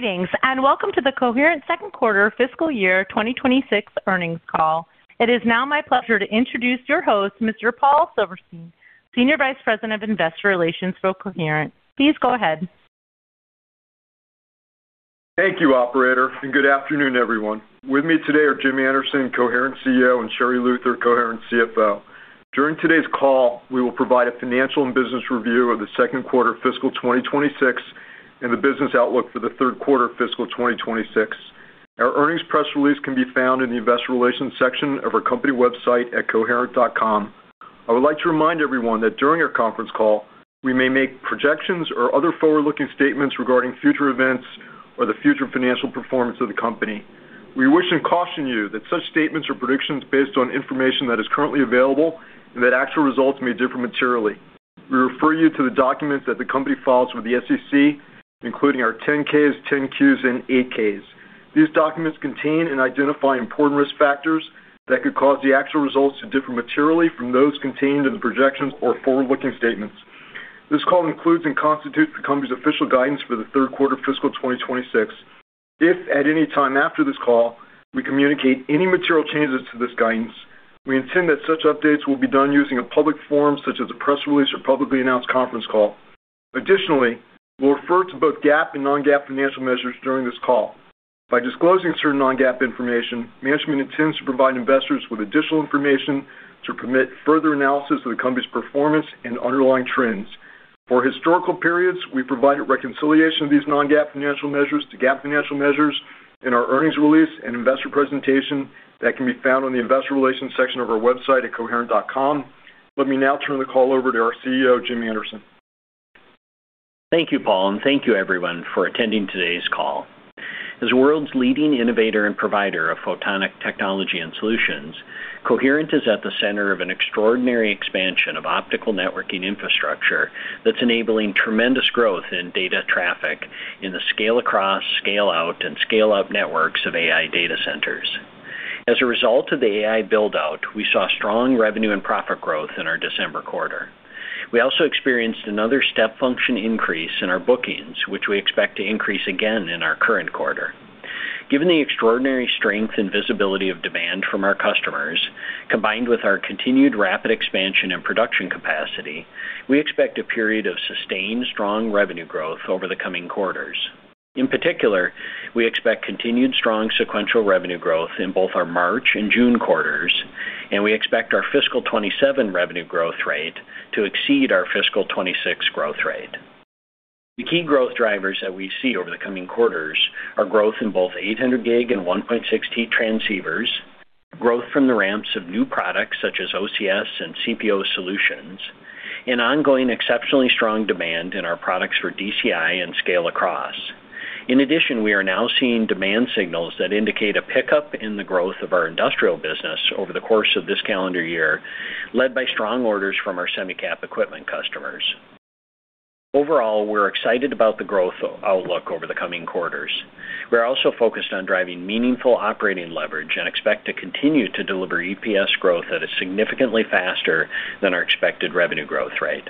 Greetings, and welcome to the Coherent second quarter fiscal year 2026 earnings call. It is now my pleasure to introduce your host, Mr. Paul Silverstein, Senior Vice President of Investor Relations for Coherent. Please go ahead. Thank you, operator, and good afternoon, everyone. With me today are Jim Anderson, Coherent CEO, and Sherri Luther, Coherent CFO. During today's call, we will provide a financial and business review of the second quarter fiscal 2026 and the business outlook for the third quarter of fiscal 2026. Our earnings press release can be found in the Investor Relations section of our company website at coherent.com. I would like to remind everyone that during our conference call, we may make projections or other forward-looking statements regarding future events or the future financial performance of the company. We wish and caution you that such statements are predictions based on information that is currently available and that actual results may differ materially. We refer you to the documents that the company files with the SEC, including our 10-Ks, 10-Qs, and 8-Ks. These documents contain and identify important risk factors that could cause the actual results to differ materially from those contained in the projections or forward-looking statements. This call includes and constitutes the company's official guidance for the third quarter of fiscal 2026. If at any time after this call, we communicate any material changes to this guidance, we intend that such updates will be done using a public forum, such as a press release or publicly announced conference call. Additionally, we'll refer to both GAAP and non-GAAP financial measures during this call. By disclosing certain non-GAAP information, management intends to provide investors with additional information to permit further analysis of the company's performance and underlying trends. For historical periods, we provide a reconciliation of these non-GAAP financial measures to GAAP financial measures in our earnings release and investor presentation that can be found on the investor relations section of our website at coherent.com. Let me now turn the call over to our CEO, Jim Anderson. Thank you, Paul, and thank you everyone for attending today's call. As the world's leading innovator and provider of photonic technology and solutions, Coherent is at the center of an extraordinary expansion of optical networking infrastructure that's enabling tremendous growth in data traffic in the scale-across, scale-out, and scale-up networks of AI data centers. As a result of the AI build-out, we saw strong revenue and profit growth in our December quarter. We also experienced another step function increase in our bookings, which we expect to increase again in our current quarter. Given the extraordinary strength and visibility of demand from our customers, combined with our continued rapid expansion and production capacity, we expect a period of sustained strong revenue growth over the coming quarters. In particular, we expect continued strong sequential revenue growth in both our March and June quarters, and we expect our fiscal 2027 revenue growth rate to exceed our fiscal 2026 growth rate. The key growth drivers that we see over the coming quarters are growth in both 800G and 1.6T transceivers, growth from the ramps of new products such as OCS and CPO solutions, and ongoing exceptionally strong demand in our products for DCI and scale-across. In addition, we are now seeing demand signals that indicate a pickup in the growth of our industrial business over the course of this calendar year, led by strong orders from our Semicap equipment customers. Overall, we're excited about the growth outlook over the coming quarters. We're also focused on driving meaningful operating leverage and expect to continue to deliver EPS growth that is significantly faster than our expected revenue growth rate.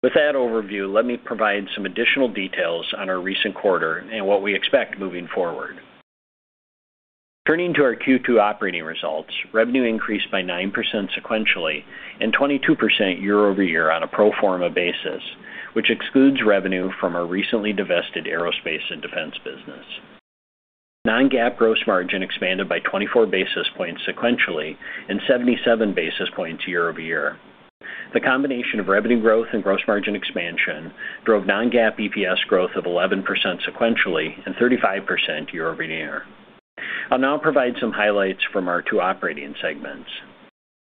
With that overview, let me provide some additional details on our recent quarter and what we expect moving forward. Turning to our Q2 operating results, revenue increased by 9% sequentially and 22% year-over-year on a pro forma basis, which excludes revenue from our recently divested aerospace and defense business. Non-GAAP gross margin expanded by 24 basis points sequentially and 77 basis points year-over-year. The combination of revenue growth and gross margin expansion drove non-GAAP EPS growth of 11% sequentially and 35% year-over-year. I'll now provide some highlights from our two operating segments.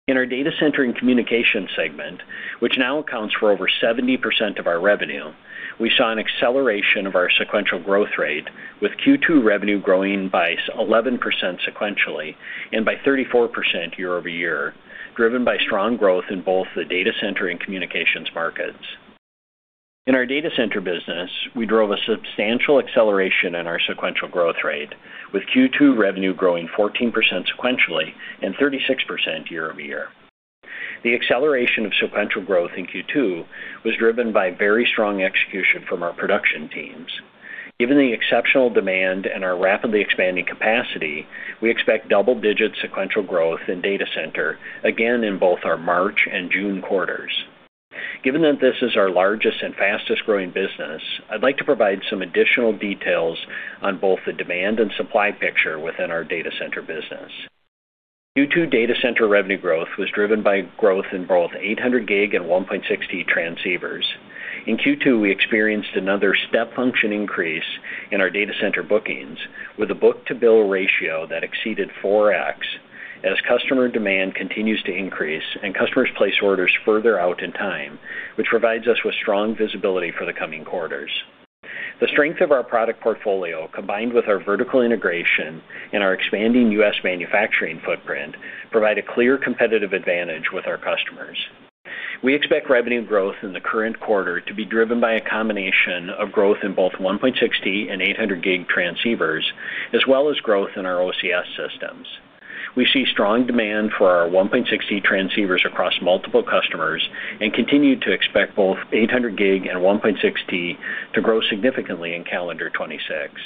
In our data center and communication segment, which now accounts for over 70% of our revenue, we saw an acceleration of our sequential growth rate, with Q2 revenue growing by 11% sequentially and by 34% year-over-year, driven by strong growth in both the data center and communications markets. In our data center business, we drove a substantial acceleration in our sequential growth rate, with Q2 revenue growing 14% sequentially and 36% year-over-year. The acceleration of sequential growth in Q2 was driven by very strong execution from our production teams. Given the exceptional demand and our rapidly expanding capacity, we expect double-digit sequential growth in data center again in both our March and June quarters. Given that this is our largest and fastest growing business, I'd like to provide some additional details on both the demand and supply picture within our data center business. Q2 data center revenue growth was driven by growth in both 800G and 1.6T transceivers. In Q2, we experienced another step function increase in our data center bookings, with a book-to-bill ratio that exceeded 4x, as customer demand continues to increase and customers place orders further out in time, which provides us with strong visibility for the coming quarters. The strength of our product portfolio, combined with our vertical integration and our expanding U.S. manufacturing footprint, provide a clear competitive advantage with our customers. We expect revenue growth in the current quarter to be driven by a combination of growth in both 1.6T and 800G transceivers, as well as growth in our OCS systems. We see strong demand for our 1.6T transceivers across multiple customers and continue to expect both 800G and 1.6T to grow significantly in calendar 2026.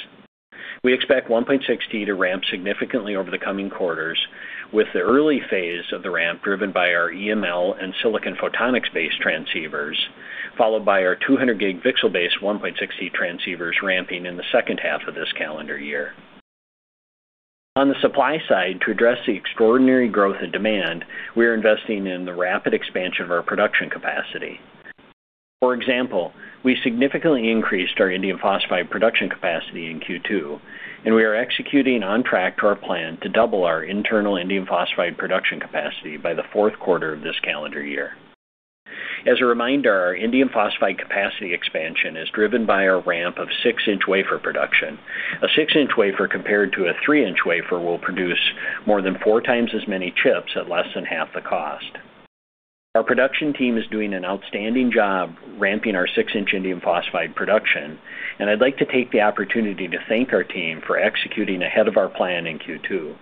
We expect 1.6T to ramp significantly over the coming quarters, with the early phase of the ramp driven by our EML and silicon photonics-based transceivers, followed by our 200G VCSEL-based 1.6T transceivers ramping in the second half of this calendar year. On the supply side, to address the extraordinary growth in demand, we are investing in the rapid expansion of our production capacity. For example, we significantly increased our indium phosphide production capacity in Q2, and we are executing on track to our plan to double our internal indium phosphide production capacity by the fourth quarter of this calendar year. As a reminder, our indium phosphide capacity expansion is driven by our ramp of six-inch wafer production. A six-inch wafer, compared to a three-inch wafer, will produce more than 4x as many chips at less than half the cost. Our production team is doing an outstanding job ramping our six-inch indium phosphide production, and I'd like to take the opportunity to thank our team for executing ahead of our plan in Q2.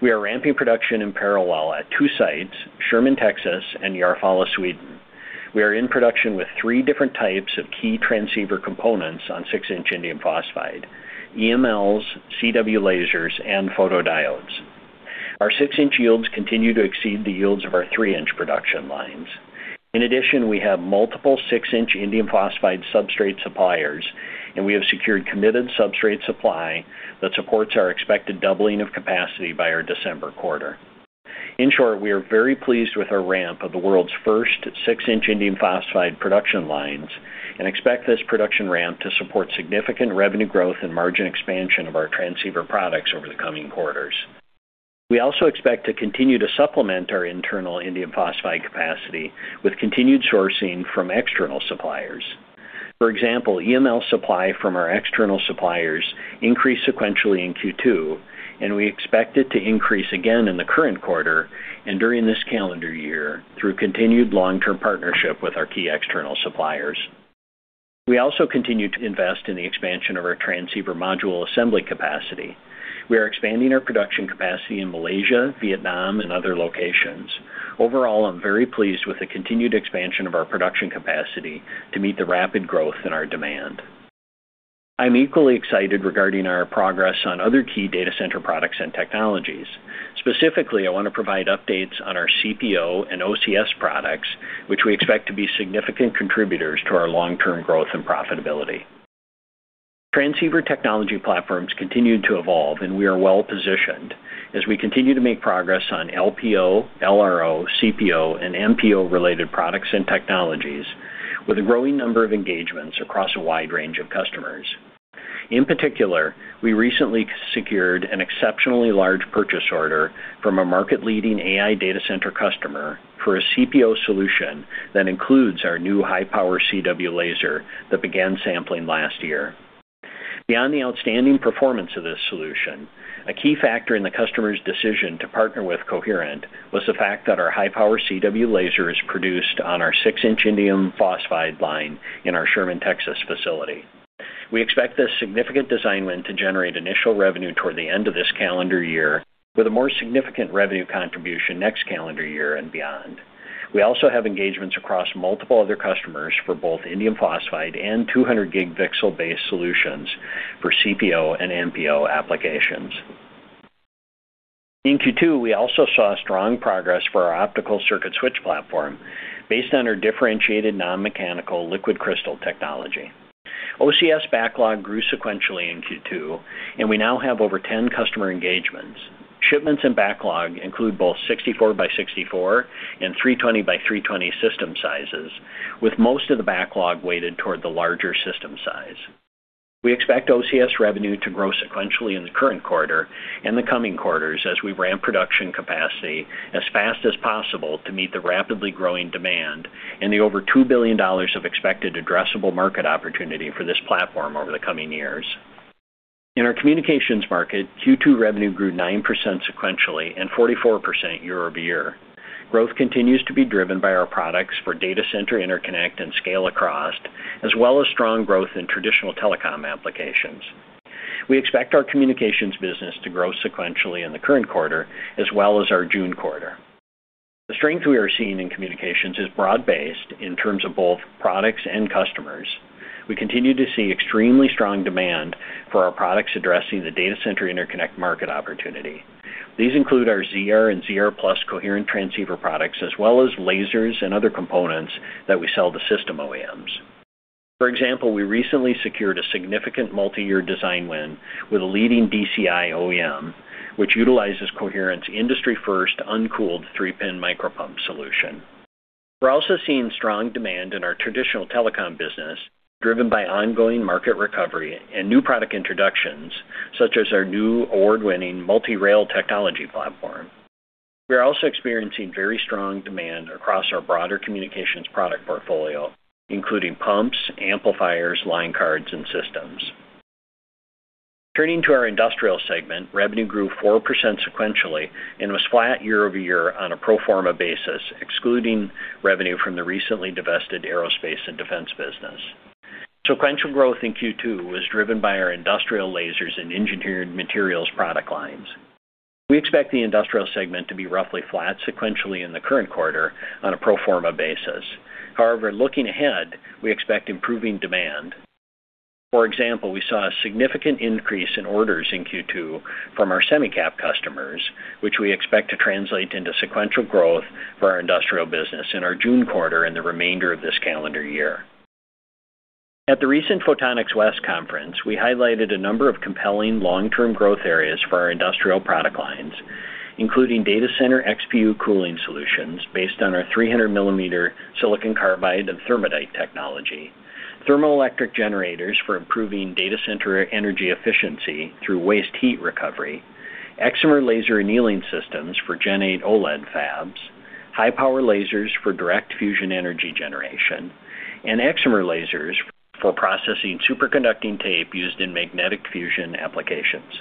We are ramping production in parallel at two sites, Sherman, Texas, and Järfälla, Sweden. We are in production with three different types of key transceiver components on six-inch indium phosphide, EMLs, CW lasers, and photodiodes. Our six-inch yields continue to exceed the yields of our three-inch production lines. In addition, we have multiple six-inch indium phosphide substrate suppliers, and we have secured committed substrate supply that supports our expected doubling of capacity by our December quarter. In short, we are very pleased with our ramp of the world's first six-inch indium phosphide production lines and expect this production ramp to support significant revenue growth and margin expansion of our transceiver products over the coming quarters. We also expect to continue to supplement our internal indium phosphide capacity with continued sourcing from external suppliers. For example, EML supply from our external suppliers increased sequentially in Q2, and we expect it to increase again in the current quarter and during this calendar year through continued long-term partnership with our key external suppliers. We also continue to invest in the expansion of our transceiver module assembly capacity. We are expanding our production capacity in Malaysia, Vietnam, and other locations. Overall, I'm very pleased with the continued expansion of our production capacity to meet the rapid growth in our demand. I'm equally excited regarding our progress on other key data center products and technologies. Specifically, I want to provide updates on our CPO and OCS products, which we expect to be significant contributors to our long-term growth and profitability. Transceiver technology platforms continued to evolve, and we are well positioned as we continue to make progress on LPO, LRO, CPO, and MPO-related products and technologies, with a growing number of engagements across a wide range of customers. In particular, we recently secured an exceptionally large purchase order from a market-leading AI data center customer for a CPO solution that includes our new high-power CW laser that began sampling last year. Beyond the outstanding performance of this solution, a key factor in the customer's decision to partner with Coherent was the fact that our high-power CW laser is produced on our six-inch indium phosphide line in our Sherman, Texas, facility. We expect this significant design win to generate initial revenue toward the end of this calendar year, with a more significant revenue contribution next calendar year and beyond. We also have engagements across multiple other customers for both indium phosphide and 200 gig VCSEL-based solutions for CPO and MPO applications. In Q2, we also saw strong progress for our optical circuit switch platform based on our differentiated non-mechanical liquid crystal technology. OCS backlog grew sequentially in Q2, and we now have over 10 customer engagements. Shipments and backlog include both 64 by 64 and 320 by 320 system sizes, with most of the backlog weighted toward the larger system size. We expect OCS revenue to grow sequentially in the current quarter and the coming quarters as we ramp production capacity as fast as possible to meet the rapidly growing demand and the over $2 billion of expected addressable market opportunity for this platform over the coming years. In our communications market, Q2 revenue grew 9% sequentially and 44% year-over-year. Growth continues to be driven by our products for data center interconnect and scale-across, as well as strong growth in traditional telecom applications. We expect our communications business to grow sequentially in the current quarter as well as our June quarter. The strength we are seeing in communications is broad-based in terms of both products and customers. We continue to see extremely strong demand for our products addressing the data center interconnect market opportunity. These include our ZR and ZR+ coherent transceiver products, as well as lasers and other components that we sell to system OEMs. For example, we recently secured a significant multiyear design win with a leading DCI OEM, which utilizes Coherent's industry-first, uncooled three-pin micro-pump solution. We're also seeing strong demand in our traditional telecom business, driven by ongoing market recovery and new product introductions, such as our new award-winning multi-rail technology platform. We are also experiencing very strong demand across our broader communications product portfolio, including pumps, amplifiers, line cards, and systems. Turning to our industrial segment, revenue grew 4% sequentially and was flat year-over-year on a pro forma basis, excluding revenue from the recently divested aerospace and defense business.... Sequential growth in Q2 was driven by our industrial lasers and engineered materials product lines. We expect the industrial segment to be roughly flat sequentially in the current quarter on a pro forma basis. However, looking ahead, we expect improving demand. For example, we saw a significant increase in orders in Q2 from our Semicap customers, which we expect to translate into sequential growth for our industrial business in our June quarter and the remainder of this calendar year. At the recent Photonics West Conference, we highlighted a number of compelling long-term growth areas for our industrial product lines, including data center XPU cooling solutions based on our 300 mm silicon carbide and thermoelectric technology, thermoelectric generators for improving data center energy efficiency through waste heat recovery, excimer laser annealing systems for Gen 8 OLED fabs, high-power lasers for direct fusion energy generation, and excimer lasers for processing superconducting tape used in magnetic fusion applications.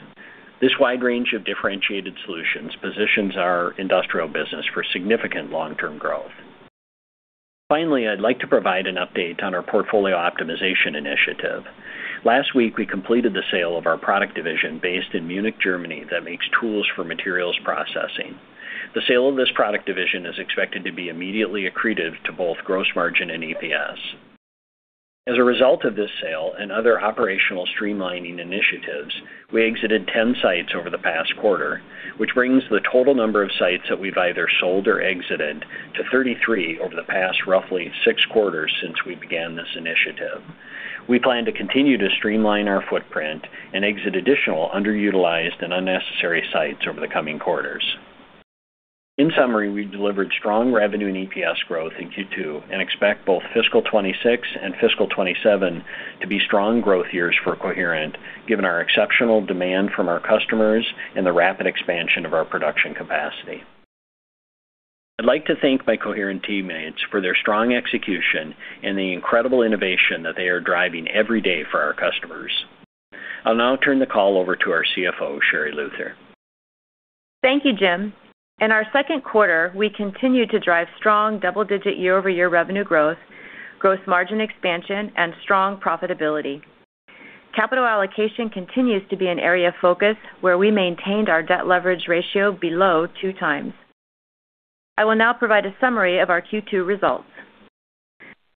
This wide range of differentiated solutions positions our industrial business for significant long-term growth. Finally, I'd like to provide an update on our portfolio optimization initiative. Last week, we completed the sale of our product division based in Munich, Germany, that makes tools for materials processing. The sale of this product division is expected to be immediately accretive to both gross margin and EPS. As a result of this sale and other operational streamlining initiatives, we exited 10 sites over the past quarter, which brings the total number of sites that we've either sold or exited to 33 over the past roughly six quarters since we began this initiative. We plan to continue to streamline our footprint and exit additional underutilized and unnecessary sites over the coming quarters. In summary, we delivered strong revenue and EPS growth in Q2 and expect both fiscal 2026 and fiscal 2027 to be strong growth years for Coherent, given our exceptional demand from our customers and the rapid expansion of our production capacity. I'd like to thank my Coherent teammates for their strong execution and the incredible innovation that they are driving every day for our customers. I'll now turn the call over to our CFO, Sherri Luther. Thank you, Jim. In our second quarter, we continued to drive strong double-digit year-over-year revenue growth, gross margin expansion, and strong profitability. Capital allocation continues to be an area of focus where we maintained our debt leverage ratio below 2x. I will now provide a summary of our Q2 results.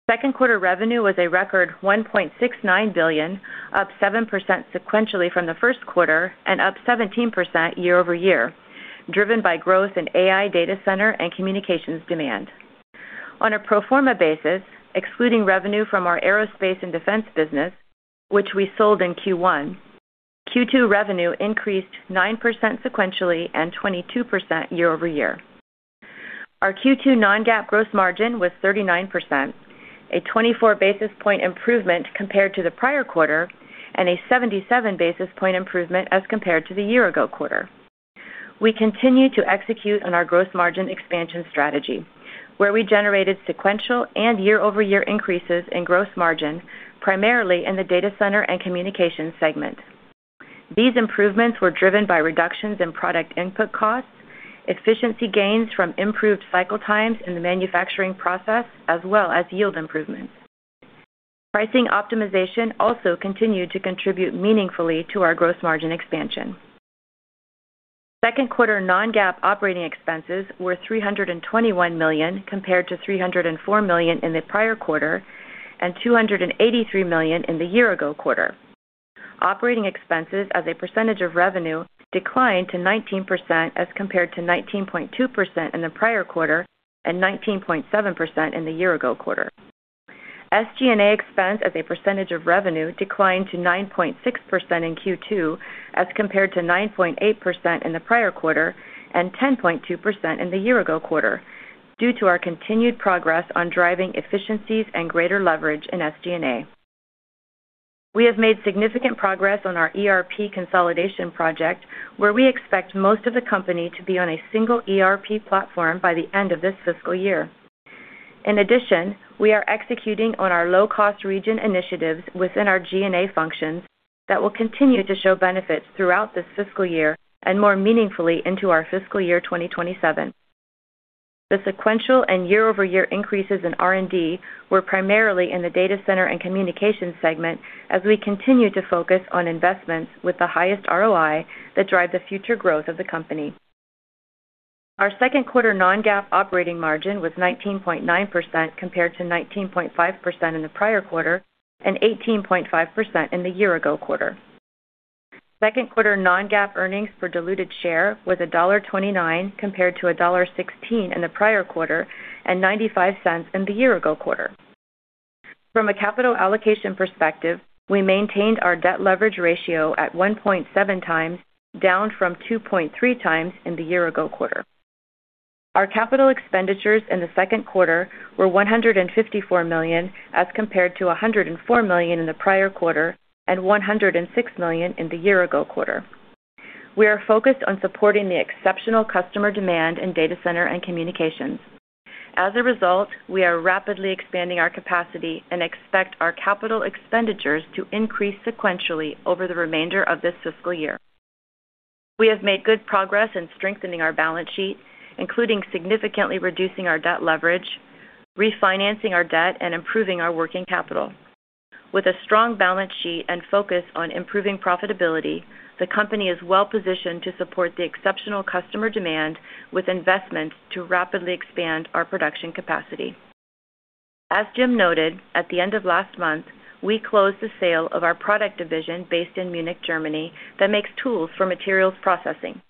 Second quarter revenue was a record $1.69 billion, up 7% sequentially from the first quarter and up 17% year-over-year, driven by growth in AI data center and communications demand. On a pro forma basis, excluding revenue from our aerospace and defense business, which we sold in Q1, Q2 revenue increased 9% sequentially and 22% year-over-year. Our Q2 non-GAAP gross margin was 39%, a 24 basis point improvement compared to the prior quarter, and a 77 basis point improvement as compared to the year-ago quarter. We continue to execute on our gross margin expansion strategy, where we generated sequential and year-over-year increases in gross margin, primarily in the data center and communications segment. These improvements were driven by reductions in product input costs, efficiency gains from improved cycle times in the manufacturing process, as well as yield improvements. Pricing optimization also continued to contribute meaningfully to our gross margin expansion. Second quarter non-GAAP operating expenses were $321 million, compared to $304 million in the prior quarter, and $283 million in the year-ago quarter. Operating expenses as a percentage of revenue declined to 19%, as compared to 19.2% in the prior quarter and 19.7% in the year-ago quarter. SG&A expense as a percentage of revenue declined to 9.6% in Q2, as compared to 9.8% in the prior quarter and 10.2% in the year-ago quarter, due to our continued progress on driving efficiencies and greater leverage in SG&A. We have made significant progress on our ERP consolidation project, where we expect most of the company to be on a single ERP platform by the end of this fiscal year. In addition, we are executing on our low-cost region initiatives within our G&A functions that will continue to show benefits throughout this fiscal year and more meaningfully into our fiscal year 2027. The sequential and year-over-year increases in R&D were primarily in the data center and communication segment, as we continue to focus on investments with the highest ROI that drive the future growth of the company. Our second quarter non-GAAP operating margin was 19.9%, compared to 19.5% in the prior quarter and 18.5% in the year-ago quarter. Second quarter non-GAAP earnings per diluted share was $1.29, compared to $1.16 in the prior quarter and $0.95 in the year-ago quarter. From a capital allocation perspective, we maintained our debt leverage ratio at 1.7x, down from 2.3x in the year-ago quarter. Our capital expenditures in the second quarter were $154 million, as compared to $104 million in the prior quarter and $106 million in the year-ago quarter. We are focused on supporting the exceptional customer demand in data center and communications. As a result, we are rapidly expanding our capacity and expect our capital expenditures to increase sequentially over the remainder of this fiscal year. We have made good progress in strengthening our balance sheet, including significantly reducing our debt leverage, refinancing our debt, and improving our working capital. With a strong balance sheet and focus on improving profitability, the company is well-positioned to support the exceptional customer demand with investments to rapidly expand our production capacity. As Jim noted, at the end of last month, we closed the sale of our product division based in Munich, Germany, that makes tools for materials processing.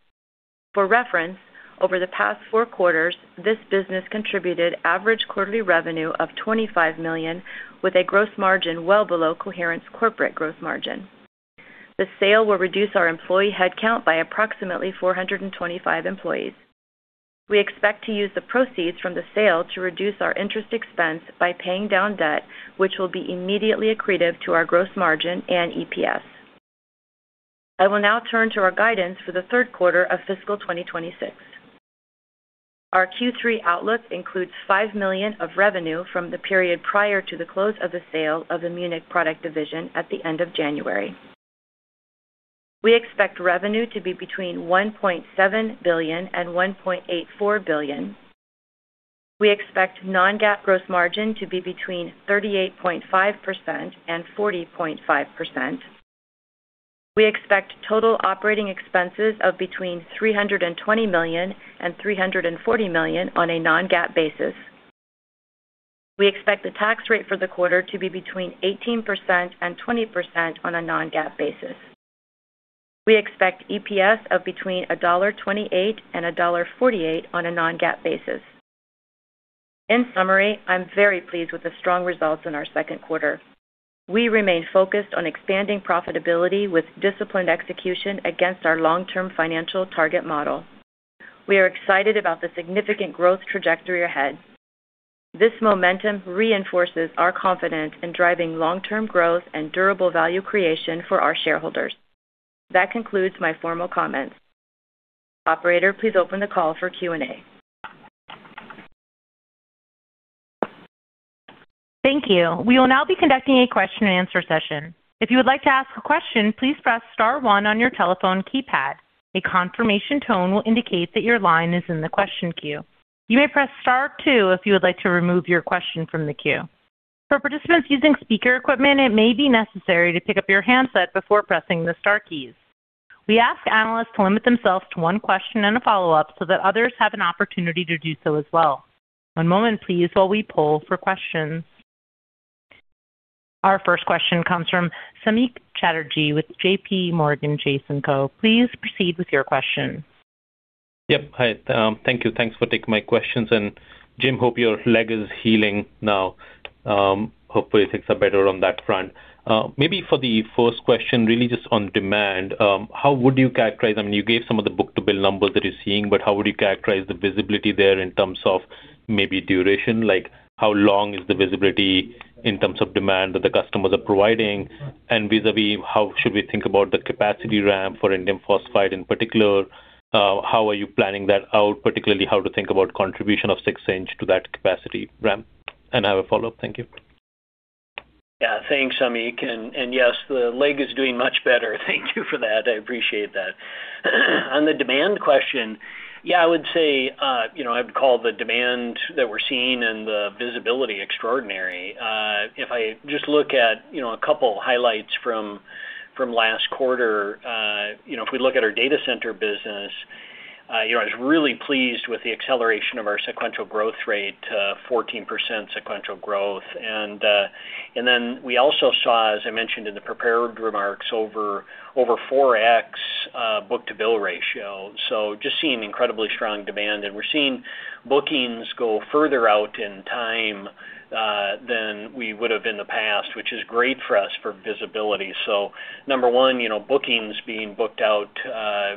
For reference, over the past four quarters, this business contributed average quarterly revenue of $25 million, with a gross margin well below Coherent's corporate gross margin. The sale will reduce our employee headcount by approximately 425 employees. We expect to use the proceeds from the sale to reduce our interest expense by paying down debt, which will be immediately accretive to our gross margin and EPS. I will now turn to our guidance for the third quarter of fiscal 2026. Our Q3 outlook includes $5 million of revenue from the period prior to the close of the sale of the Munich product division at the end of January. We expect revenue to be between $1.7 billion and $1.84 billion. We expect non-GAAP gross margin to be between 38.5% and 40.5%. We expect total operating expenses of between $320 million and $340 million on a non-GAAP basis. We expect the tax rate for the quarter to be between 18% and 20% on a non-GAAP basis. We expect EPS of between $1.28 and $1.48 on a non-GAAP basis. In summary, I'm very pleased with the strong results in our second quarter. We remain focused on expanding profitability with disciplined execution against our long-term financial target model. We are excited about the significant growth trajectory ahead. This momentum reinforces our confidence in driving long-term growth and durable value creation for our shareholders. That concludes my formal comments. Operator, please open the call for Q&A. Thank you. We will now be conducting a question-and-answer session. If you would like to ask a question, please press star one on your telephone keypad. A confirmation tone will indicate that your line is in the question queue. You may press star two if you would like to remove your question from the queue. For participants using speaker equipment, it may be necessary to pick up your handset before pressing the star keys. We ask analysts to limit themselves to one question and a follow-up so that others have an opportunity to do so as well. One moment, please, while we poll for questions. Our first question comes from Samik Chatterjee with JP Morgan Chase & Co. Please proceed with your question. Yep. Hi, thank you. Thanks for taking my questions. And Jim, hope your leg is healing now. Hopefully, things are better on that front. Maybe for the first question, really just on demand, how would you characterize, I mean, you gave some of the book-to-bill numbers that you're seeing, but how would you characterize the visibility there in terms of maybe duration? Like, how long is the visibility in terms of demand that the customers are providing? And vis-a-vis, how should we think about the capacity ramp for indium phosphide in particular, how are you planning that out, particularly how to think about contribution of six-inch to that capacity ramp? And I have a follow-up. Thank you. Yeah. Thanks, Samik. And yes, the leg is doing much better. Thank you for that. I appreciate that. On the demand question, yeah, I would say, you know, I'd call the demand that we're seeing and the visibility extraordinary. If I just look at, you know, a couple highlights from last quarter, you know, if we look at our data center business, you know, I was really pleased with the acceleration of our sequential growth rate, 14% sequential growth. And then we also saw, as I mentioned in the prepared remarks, over 4x book-to-bill ratio. So just seeing incredibly strong demand, and we're seeing bookings go further out in time than we would have in the past, which is great for us for visibility. So number one, you know, bookings being booked out,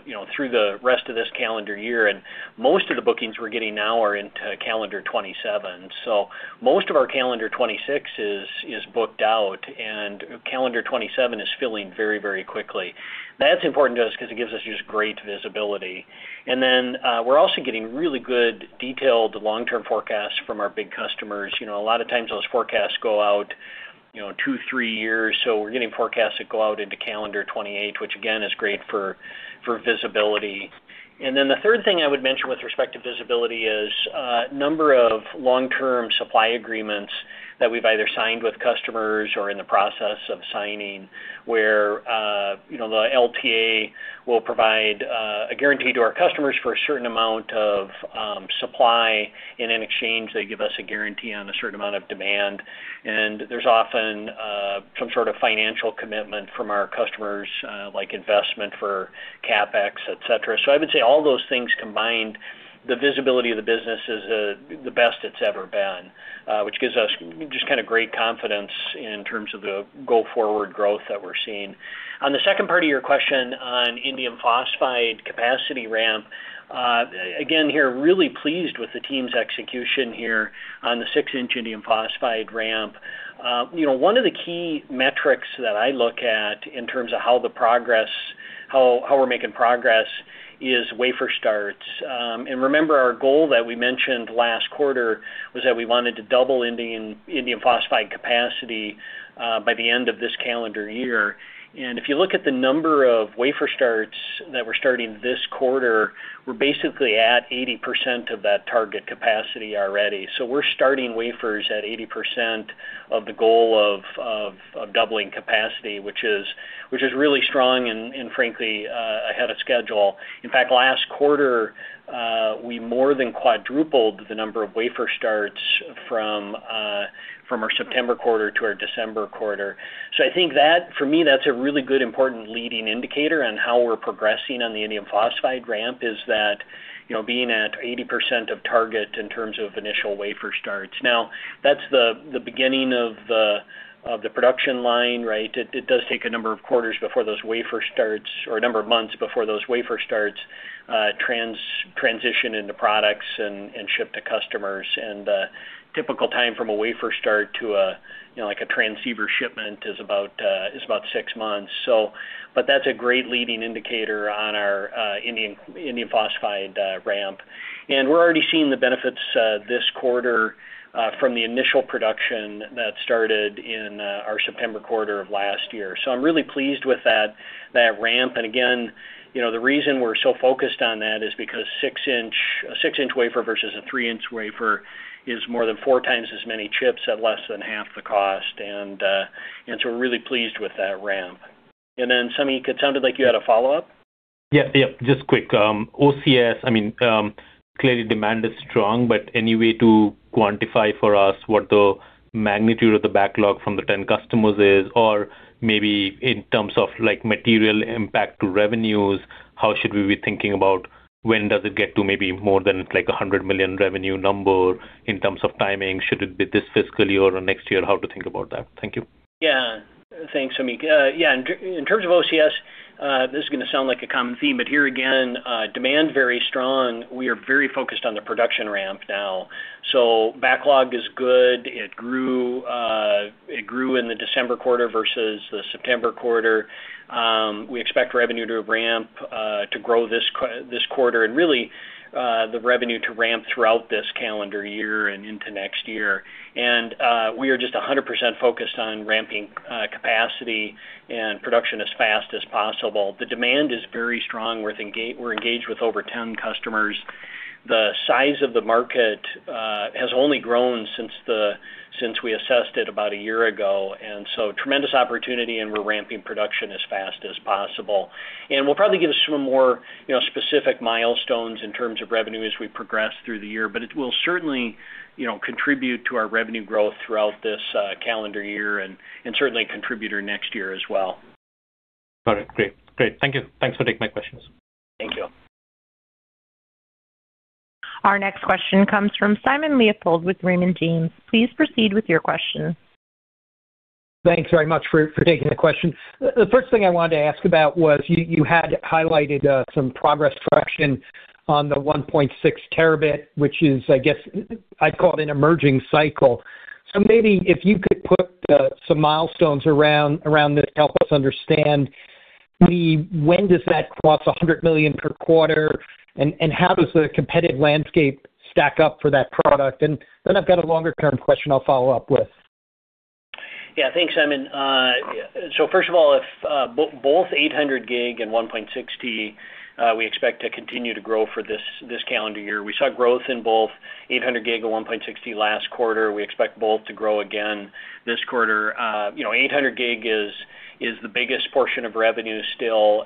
you know, through the rest of this calendar year, and most of the bookings we're getting now are into calendar 2027. So most of our calendar 2026 is, is booked out, and calendar 2027 is filling very, very quickly. That's important to us because it gives us just great visibility. And then, we're also getting really good detailed long-term forecasts from our big customers. You know, a lot of times those forecasts go out, you know, two, three years. So we're getting forecasts that go out into calendar 2028, which again, is great for, for visibility. Then the third thing I would mention with respect to visibility is, number of long-term supply agreements that we've either signed with customers or in the process of signing, where, you know, the LTA will provide, a guarantee to our customers for a certain amount of, supply, and in exchange, they give us a guarantee on a certain amount of demand. There's often, some sort of financial commitment from our customers, like investment for CapEx, et cetera. I would say all those things combined, the visibility of the business is, the best it's ever been, which gives us just kind of great confidence in terms of the go-forward growth that we're seeing. On the second part of your question on indium phosphide capacity ramp, again, here, really pleased with the team's execution here on the six-inch indium phosphide ramp. You know, one of the key metrics that I look at in terms of how we're making progress is wafer starts. And remember, our goal that we mentioned last quarter was that we wanted to double indium phosphide capacity by the end of this calendar year. And if you look at the number of wafer starts that we're starting this quarter, we're basically at 80% of that target capacity already. So we're starting wafers at 80% of the goal of doubling capacity, which is really strong and frankly ahead of schedule. In fact, last quarter, we more than quadrupled the number of wafer starts from our September quarter to our December quarter. So I think that for me, that's a really good, important leading indicator on how we're progressing on the indium phosphide ramp, is that, you know, being at 80% of target in terms of initial wafer starts. Now, that's the beginning of the production line, right? It does take a number of quarters before those wafer starts, or a number of months before those wafer starts, transition into products and ship to customers. And, typical time from a wafer start to a, you know, like a transceiver shipment is about six months. But that's a great leading indicator on our indium phosphide ramp. And we're already seeing the benefits, this quarter, from the initial production that started in, our September quarter of last year. So I'm really pleased with that, that ramp. And again, you know, the reason we're so focused on that is because six-inch, a six-inch wafer versus a three-inch wafer is more than 4x as many chips at less than half the cost. And, and so we're really pleased with that ramp. And then, Samik, it sounded like you had a follow-up? Yeah, yeah, just quick. OCS, I mean, clearly demand is strong, but any way to quantify for us what the magnitude of the backlog from the 10 customers is, or maybe in terms of, like, material impact to revenues, how should we be thinking about when does it get to maybe more than, like, $100 million revenue number in terms of timing? Should it be this fiscal year or next year? How to think about that? Thank you. Yeah. Thanks, Samik. Yeah, in terms of OCS, this is gonna sound like a common theme, but here again, demand very strong. We are very focused on the production ramp now. So backlog is good. It grew in the December quarter versus the September quarter. We expect revenue to ramp to grow this quarter, and really, the revenue to ramp throughout this calendar year and into next year. We are just 100% focused on ramping capacity and production as fast as possible. The demand is very strong. We're engaged with over 10 customers. The size of the market has only grown since we assessed it about a year ago, and so tremendous opportunity, and we're ramping production as fast as possible. We'll probably give some more, you know, specific milestones in terms of revenue as we progress through the year, but it will certainly, you know, contribute to our revenue growth throughout this calendar year and certainly a contributor next year as well. Got it. Great. Great. Thank you. Thanks for taking my questions. Thank you. Our next question comes from Simon Leopold with Raymond James. Please proceed with your question. Thanks very much for taking the question. The first thing I wanted to ask about was you had highlighted some progress traction on the 1.6T, which is, I guess, I'd call it an emerging cycle. So maybe if you could put some milestones around this to help us understand when does that cross 100 million per quarter? And how does the competitive landscape stack up for that product? And then I've got a longer-term question I'll follow up with. Yeah. Thanks, Simon. So first of all, both 800G and 1.6T, we expect to continue to grow for this calendar year. We saw growth in both 800G and 1.6T last quarter. We expect both to grow again this quarter. You know, 800G is the biggest portion of revenue still.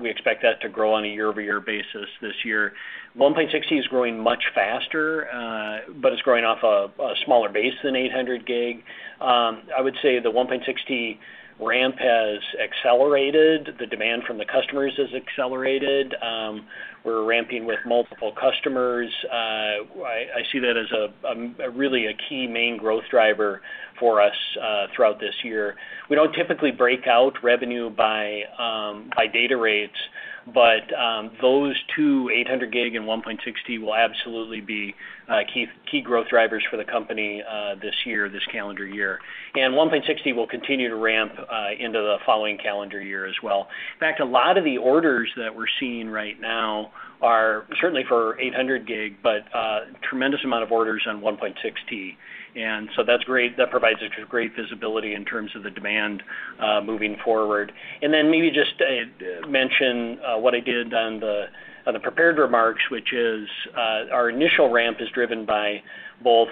We expect that to grow on a year-over-year basis this year. 1.6T is growing much faster, but it's growing off a smaller base than 800G. I would say the 1.6T ramp has accelerated. The demand from the customers has accelerated. We're ramping with multiple customers. I see that as a really key main growth driver for us throughout this year. We don't typically break out revenue by, by data rates, but those two, 800G and 1.6T, will absolutely be key, key growth drivers for the company, this year, this calendar year. And 1.6T will continue to ramp into the following calendar year as well. In fact, a lot of the orders that we're seeing right now are certainly for 800G, but tremendous amount of orders on 1.6T, and so that's great. That provides a great visibility in terms of the demand moving forward. And then maybe just mention what I did on the, on the prepared remarks, which is our initial ramp is driven by both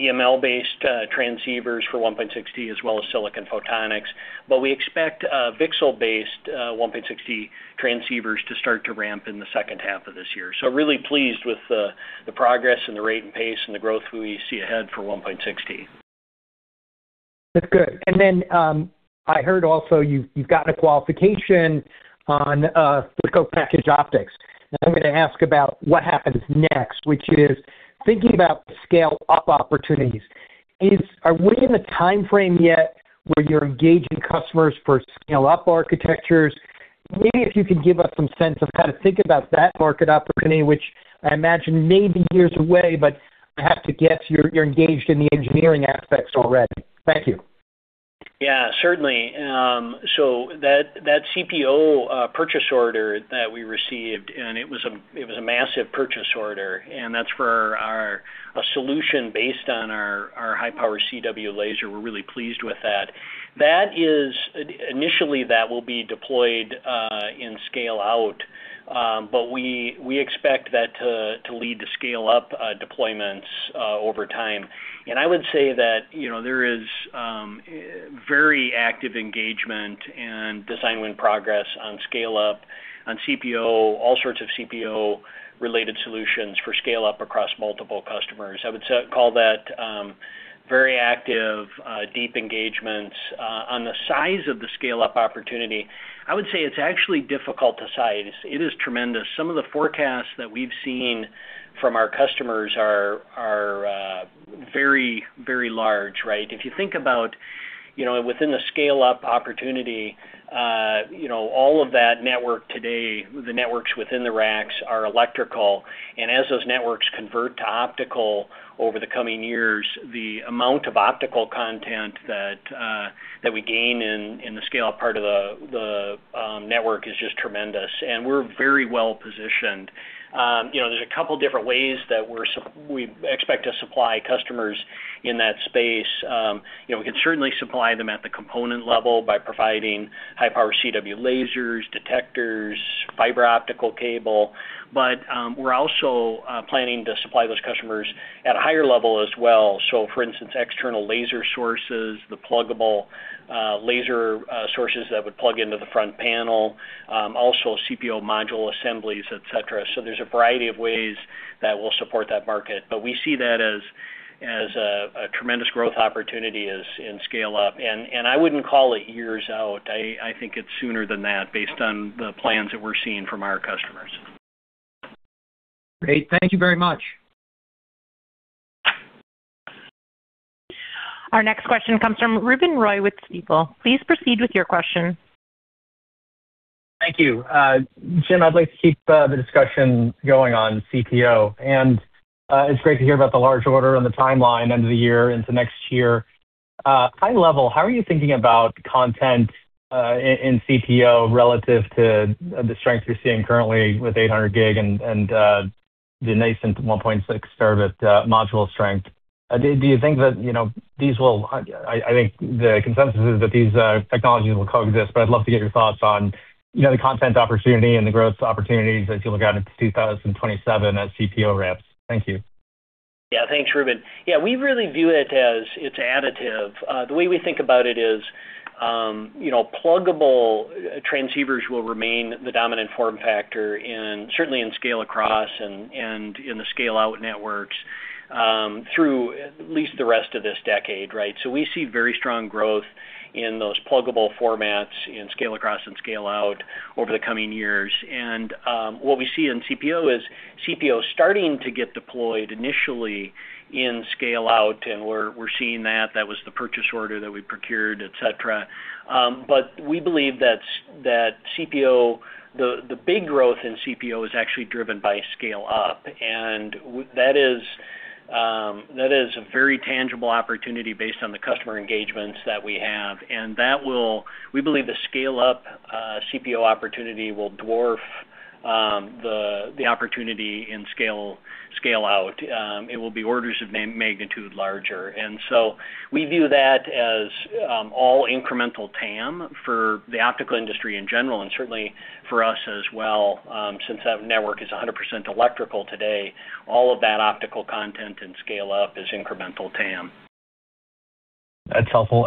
EML-based transceivers for 1.6T, as well as silicon photonics. But we expect VCSEL-based 1.6 transceivers to start to ramp in the second half of this year. So really pleased with the progress and the rate and pace and the growth we see ahead for 1.6T. That's good. And then, I heard also you've, you've gotten a qualification on the co-packaged optics. And I'm gonna ask about what happens next, which is thinking about scale-up opportunities, are we in a timeframe yet where you're engaging customers for scale-up architectures? Maybe if you could give us some sense of how to think about that market opportunity, which I imagine may be years away, but I have to guess you're, you're engaged in the engineering aspects already. Thank you. Yeah, certainly. So that CPO purchase order that we received, and it was a massive purchase order, and that's for a solution based on our high-power CW laser. We're really pleased with that. That is initially that will be deployed in scale-out, but we expect that to lead to scale-up deployments over time. And I would say that, you know, there is very active engagement and design win progress on scale up, on CPO, all sorts of CPO-related solutions for scale up across multiple customers. I would say call that very active deep engagements. On the size of the scale-up opportunity, I would say it's actually difficult to size. It is tremendous. Some of the forecasts that we've seen from our customers are very, very large, right? If you think about, you know, within the scale-up opportunity, you know, all of that network today, the networks within the racks are electrical. And as those networks convert to optical over the coming years, the amount of optical content that that we gain in the scale-up part of the network is just tremendous, and we're very well positioned. You know, there's a couple different ways that we expect to supply customers in that space. You know, we can certainly supply them at the component level by providing high-power CW lasers, detectors, fiber optical cable. But we're also planning to supply those customers at a higher level as well. So for instance, external laser sources, the pluggable laser sources that would plug into the front panel, also CPO module assemblies, et cetera. So there's a variety of ways that we'll support that market, but we see that as a tremendous growth opportunity as in scale-up. And I wouldn't call it years out. I think it's sooner than that, based on the plans that we're seeing from our customers. Great. Thank you very much. Our next question comes from Ruben Roy with Stifel. Please proceed with your question. Thank you. Jim, I'd like to keep the discussion going on CPO. It's great to hear about the large order and the timeline end of the year into next year. High level, how are you thinking about content in CPO relative to the strength you're seeing currently with 800G and the nascent 1.6T module strength? Do you think that, you know, these will... I think the consensus is that these technologies will coexist, but I'd love to get your thoughts on, you know, the content opportunity and the growth opportunities as you look out into 2027 as CPO ramps. Thank you. Yeah, thanks, Ruben. Yeah, we really view it as it's additive. The way we think about it is, you know, pluggable transceivers will remain the dominant form factor in, certainly in scale-across and in the scale-out networks, through at least the rest of this decade, right? So we see very strong growth in those pluggable formats, in scale-across and scale-out over the coming years. And what we see in CPO is CPO is starting to get deployed initially in scale-out, and we're seeing that. That was the purchase order that we procured, et cetera. But we believe that that CPO, the big growth in CPO is actually driven by scale-up, and that is a very tangible opportunity based on the customer engagements that we have. And that will... We believe the scale up CPO opportunity will dwarf the opportunity in scale scale out. It will be orders of magnitude larger. And so we view that as all incremental TAM for the optical industry in general, and certainly for us as well. Since that network is 100% electrical today, all of that optical content and scale up is incremental TAM. That's helpful.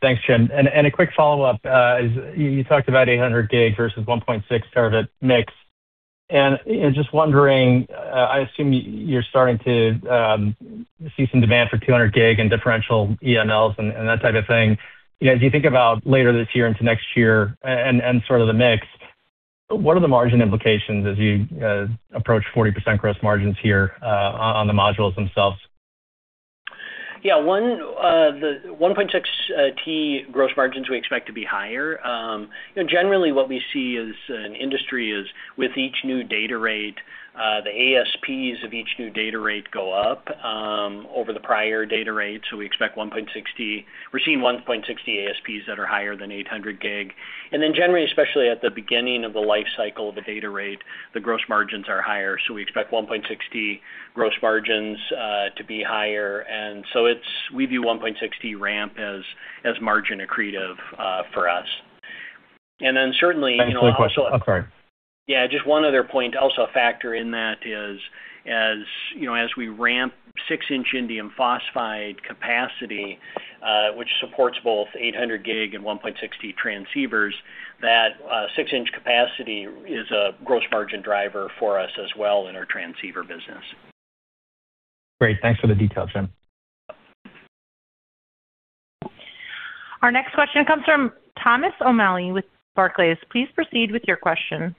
Thanks, Jim. And a quick follow-up, as you talked about 800G versus 1.6T mix. And just wondering, I assume you're starting to see some demand for 200G differential EMLs and that type of thing. You know, as you think about later this year into next year and sort of the mix, what are the margin implications as you approach 40% gross margins here, on the modules themselves? Yeah. One, the 1.6T gross margins, we expect to be higher. You know, generally what we see as an industry is with each new data rate, the ASPs of each new data rate go up, over the prior data rate. So we expect 1.6T. We're seeing 1.6T ASPs that are higher than 800G. And then generally, especially at the beginning of the life cycle of a data rate, the gross margins are higher, so we expect 1.6T gross margins to be higher. And so it's we view 1.6T ramp as margin accretive for us. And then certainly, you know, also- I'm sorry. Yeah, just one other point. Also, a factor in that is, as you know, as we ramp six-inch indium phosphide capacity, which supports both 800G and 1.6T transceivers, that six-inch capacity is a gross margin driver for us as well in our transceiver business. Great. Thanks for the details, Jim. Our next question comes from Thomas O'Malley with Barclays. Please proceed with your question.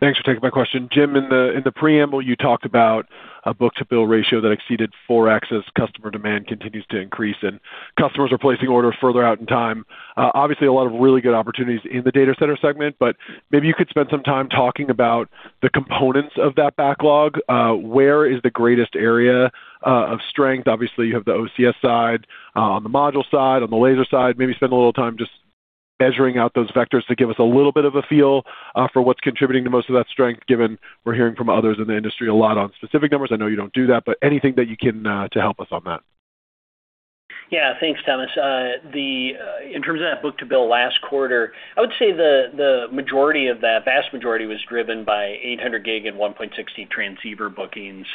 Thanks for taking my question. Jim, in the preamble, you talked about a book-to-bill ratio that exceeded 4x as customer demand continues to increase, and customers are placing orders further out in time. Obviously, a lot of really good opportunities in the data center segment, but maybe you could spend some time talking about the components of that backlog. Where is the greatest area of strength? Obviously, you have the OCS side, on the module side, on the laser side. Maybe spend a little time measuring out those vectors to give us a little bit of a feel for what's contributing to most of that strength, given we're hearing from others in the industry a lot on specific numbers. I know you don't do that, but anything that you can to help us on that? Yeah. Thanks, Thomas. In terms of that book-to-bill last quarter, I would say the majority of that, vast majority, was driven by 800G and 1.6T transceiver bookings.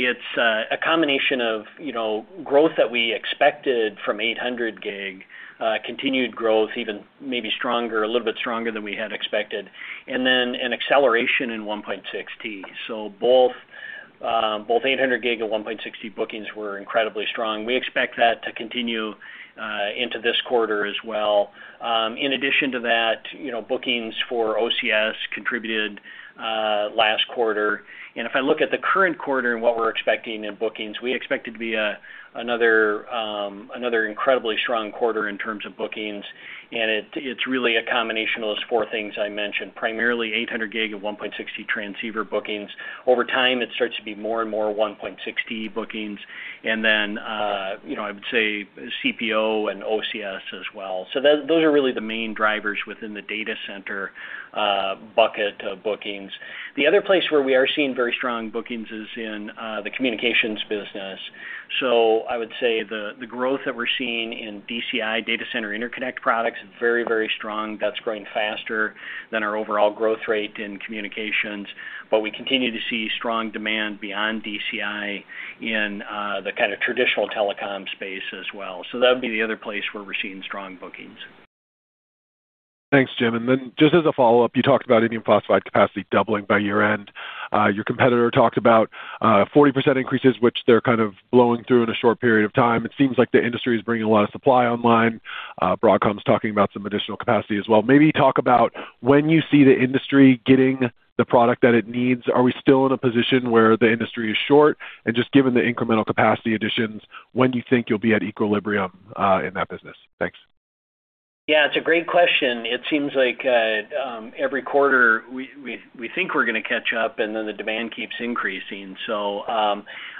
It's a combination of, you know, growth that we expected from 800G, continued growth, even maybe stronger, a little bit stronger than we had expected, and then an acceleration in 1.6T. So both, both 800G and 1.6T bookings were incredibly strong. We expect that to continue into this quarter as well. In addition to that, you know, bookings for OCS contributed last quarter. And if I look at the current quarter and what we're expecting in bookings, we expect it to be another incredibly strong quarter in terms of bookings. It's really a combination of those four things I mentioned, primarily 800G and 1.6T transceiver bookings. Over time, it starts to be more and more 1.6T bookings, and then, you know, I would say CPO and OCS as well. So those are really the main drivers within the data center bucket of bookings. The other place where we are seeing very strong bookings is in the communications business. So I would say the growth that we're seeing in DCI, Data Center Interconnect products, is very, very strong. That's growing faster than our overall growth rate in communications. But we continue to see strong demand beyond DCI in the kind of traditional telecom space as well. So that would be the other place where we're seeing strong bookings. Thanks, Jim. And then just as a follow-up, you talked about indium phosphide capacity doubling by year-end. Your competitor talked about 40% increases, which they're kind of blowing through in a short period of time. It seems like the industry is bringing a lot of supply online. Broadcom's talking about some additional capacity as well. Maybe talk about when you see the industry getting the product that it needs. Are we still in a position where the industry is short? And just given the incremental capacity additions, when do you think you'll be at equilibrium in that business? Thanks. Yeah, it's a great question. It seems like every quarter we think we're gonna catch up, and then the demand keeps increasing. So,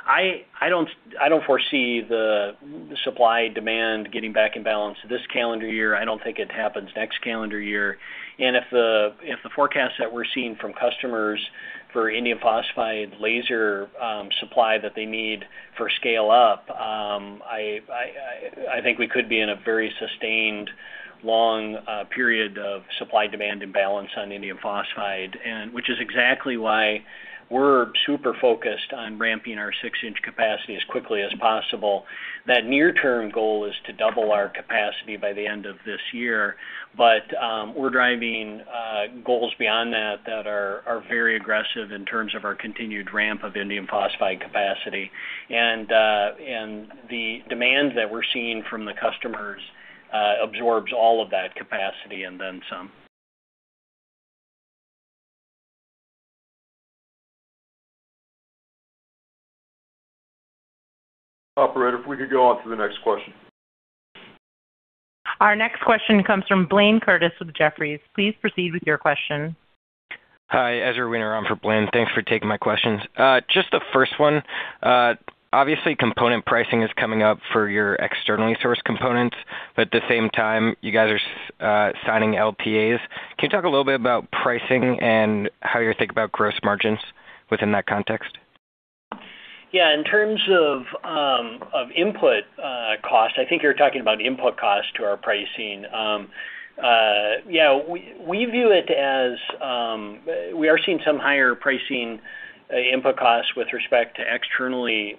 I don't foresee the supply-demand getting back in balance this calendar year. I don't think it happens next calendar year. And if the forecast that we're seeing from customers for indium phosphide laser supply that they need for scale up, I think we could be in a very sustained, long period of supply-demand imbalance on indium phosphide, and which is exactly why we're super focused on ramping our six-inch capacity as quickly as possible. That near-term goal is to double our capacity by the end of this year, but we're driving goals beyond that that are very aggressive in terms of our continued ramp of indium phosphide capacity. The demand that we're seeing from the customers absorbs all of that capacity and then some. Operator, if we could go on to the next question. Our next question comes from Blaine Curtis with Jefferies. Please proceed with your question. Hi, Ezra Weener on for Blaine. Thanks for taking my questions. Just the first one, obviously, component pricing is coming up for your externally sourced components, but at the same time, you guys are signing LTAs. Can you talk a little bit about pricing and how you think about gross margins within that context? Yeah, in terms of input cost, I think you're talking about input cost to our pricing. Yeah, we view it as we are seeing some higher pricing input costs with respect to externally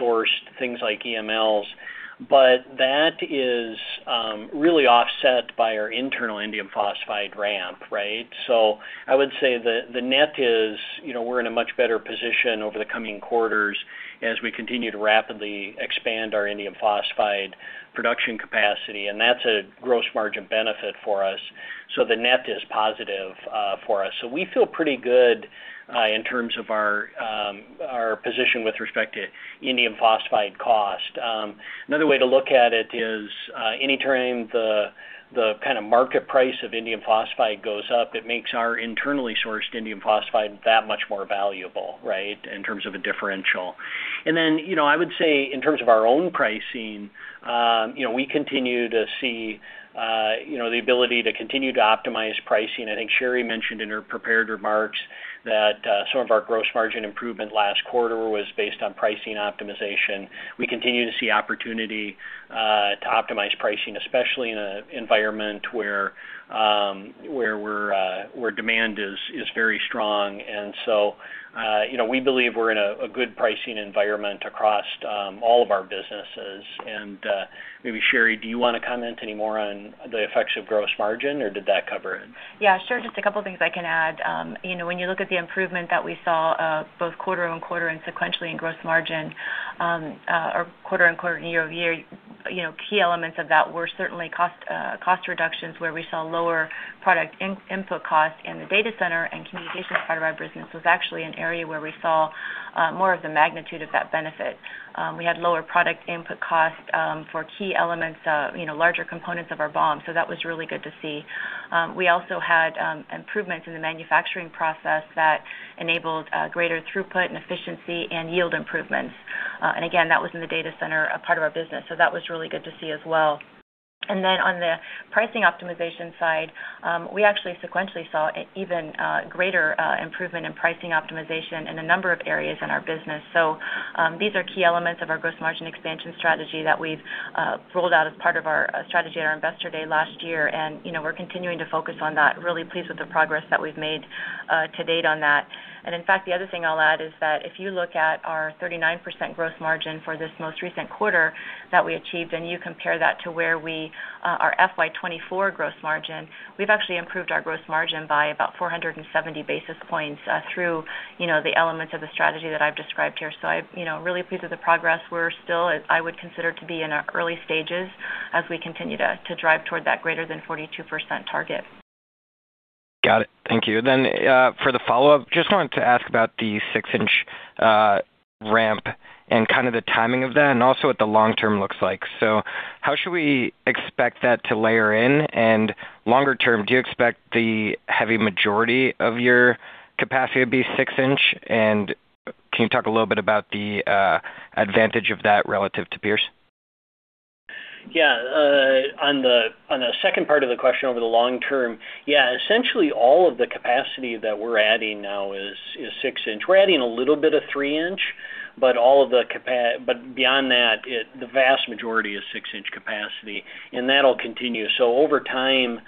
sourced things like EMLs, but that is really offset by our internal indium phosphide ramp, right? So I would say the net is, you know, we're in a much better position over the coming quarters as we continue to rapidly expand our indium phosphide production capacity, and that's a gross margin benefit for us. So the net is positive for us. So we feel pretty good in terms of our position with respect to indium phosphide cost. Another way to look at it is, any time the kind of market price of indium phosphide goes up, it makes our internally sourced indium phosphide that much more valuable, right, in terms of a differential. And then, you know, I would say in terms of our own pricing, you know, we continue to see, you know, the ability to continue to optimize pricing. I think Sherri mentioned in her prepared remarks that, some of our gross margin improvement last quarter was based on pricing optimization. We continue to see opportunity to optimize pricing, especially in a environment where, where we're, where demand is very strong. And so, you know, we believe we're in a good pricing environment across, all of our businesses. Maybe, Sherri, do you want to comment any more on the effects of gross margin, or did that cover it? Yeah, sure. Just a couple of things I can add. You know, when you look at the improvement that we saw, both quarter-over-quarter and sequentially in gross margin, or quarter-over-quarter and year-over-year, you know, key elements of that were certainly cost reductions, where we saw lower product input costs in the data center and communications fiber business, which was actually an area where we saw more of the magnitude of that benefit. We had lower product input costs for key elements, you know, larger components of our BOM, so that was really good to see. We also had improvements in the manufacturing process that enabled greater throughput and efficiency and yield improvements. And again, that was in the data center, a part of our business, so that was really good to see as well. And then on the pricing optimization side, we actually sequentially saw an even, greater, improvement in pricing optimization in a number of areas in our business. So, these are key elements of our gross margin expansion strategy that we've rolled out as part of our strategy at our Investor Day last year. And, you know, we're continuing to focus on that. Really pleased with the progress that we've made, to date on that. In fact, the other thing I'll add is that if you look at our 39% gross margin for this most recent quarter that we achieved, and you compare that to where we, our FY 2024 gross margin, we've actually improved our gross margin by about 470 basis points, through, you know, the elements of the strategy that I've described here. So I'm, you know, really pleased with the progress. We're still, as I would consider, to be in our early stages as we continue to drive toward that greater than 42% target. Got it. Thank you. Then, for the follow-up, just wanted to ask about the six-inch ramp and kind of the timing of that, and also what the long term looks like. So how should we expect that to layer in? And longer term, do you expect the heavy majority of your capacity to be six-inch? And can you talk a little bit about the advantage of that relative to peers? Yeah. On the second part of the question, over the long term, yeah, essentially all of the capacity that we're adding now is six-inch. We're adding a little bit of three-inch, but beyond that, the vast majority is six-inch capacity, and that'll continue. So over time,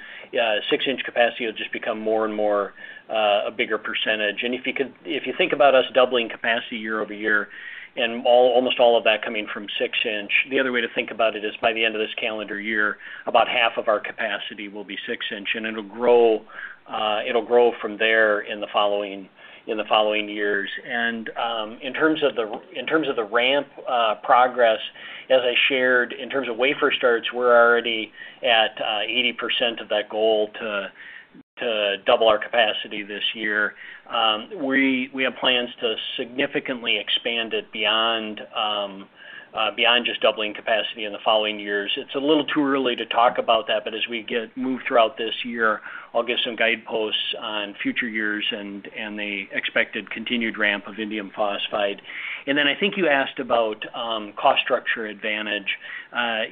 six-inch capacity will just become more and more a bigger percentage. And if you think about us doubling capacity year-over-year and all, almost all of that coming from six-inch, the other way to think about it is, by the end of this calendar year, about half of our capacity will be six-inch, and it'll grow from there in the following years. In terms of the ramp progress, as I shared, in terms of wafer starts, we're already at 80% of that goal to double our capacity this year. We have plans to significantly expand it beyond just doubling capacity in the following years. It's a little too early to talk about that, but as we get moved throughout this year, I'll give some guideposts on future years and the expected continued ramp of indium phosphide. And then I think you asked about cost structure advantage.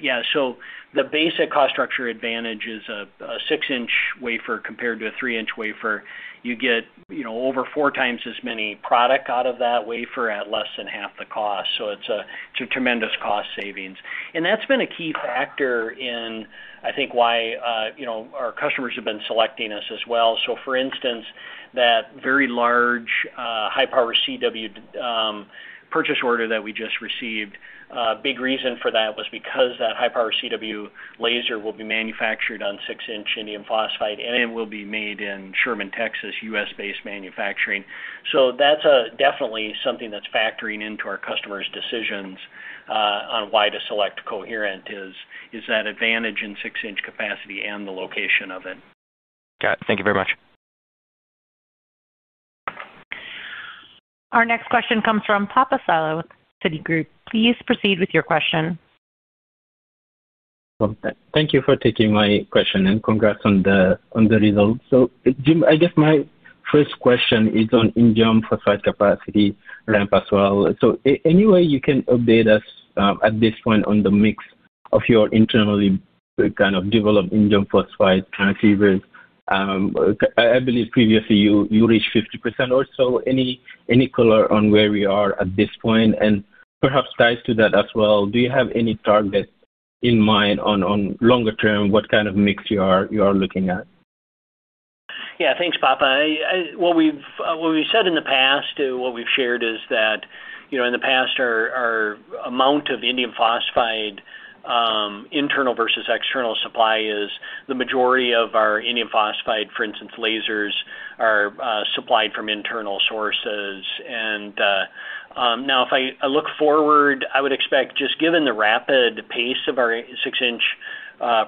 Yeah, so the basic cost structure advantage is a six-inch wafer compared to a three-inch wafer. You get, you know, over four times as many product out of that wafer at less than half the cost, so it's a tremendous cost savings. And that's been a key factor in, I think, why, you know, our customers have been selecting us as well. So for instance, that very large, high-power CW purchase order that we just received, big reason for that was because that high-power CW laser will be manufactured on six-inch indium phosphide and it will be made in Sherman, Texas, U.S.-based manufacturing. So that's definitely something that's factoring into our customers' decisions on why to select Coherent, is that advantage in six-inch capacity and the location of it. Got it. Thank you very much. Our next question comes from Atif Malik with Citigroup. Please proceed with your question. Thank you for taking my question, and congrats on the results. So, Jim, I guess my first question is on indium phosphide capacity ramp as well. So any way you can update us at this point on the mix of your internally kind of developed indium phosphide transceivers? I believe previously you reached 50% or so. Any color on where we are at this point? And perhaps tied to that as well, do you have any target in mind on longer term, what kind of mix you are looking at? Yeah, thanks, Atif. What we've said in the past, what we've shared is that, you know, in the past, our amount of indium phosphide internal versus external supply is the majority of our indium phosphide, for instance, lasers, are supplied from internal sources. And now, if I look forward, I would expect, just given the rapid pace of our six-inch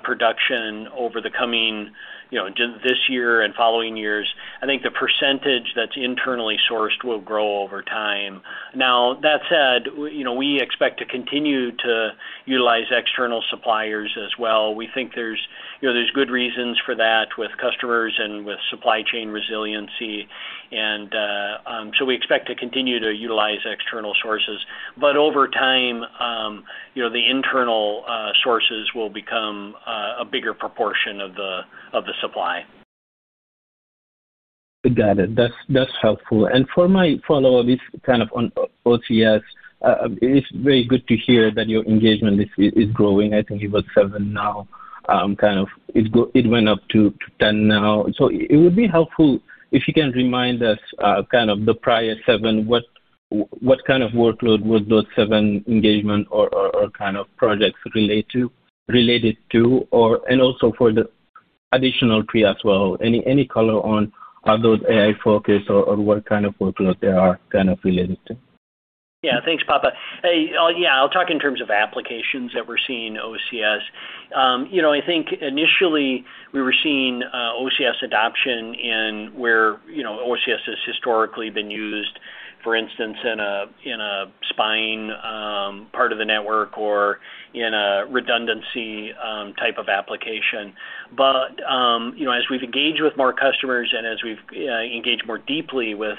production over the coming, you know, this year and following years, I think the percentage that's internally sourced will grow over time. Now, that said, you know, we expect to continue to utilize external suppliers as well. We think there's, you know, there's good reasons for that with customers and with supply chain resiliency, and so we expect to continue to utilize external sources. But over time, you know, the internal sources will become a bigger proportion of the supply. Got it. That's, that's helpful. And for my follow-up, it's kind of on OCS. It's very good to hear that your engagement is growing. I think it was seven now, kind of. It went up to 10 now. So it would be helpful if you can remind us, kind of the prior seven, what kind of workload would those seven engagements or projects relate to? Or and also for the additional three as well. Any color on, are those AI-focused or what kind of workload they are kind of related to? Yeah. Thanks, Atif. Hey, yeah, I'll talk in terms of applications that we're seeing in OCS. You know, I think initially we were seeing OCS adoption where OCS has historically been used, for instance, in a spine part of the network or in a redundancy type of application. But you know, as we've engaged with more customers and as we've engaged more deeply with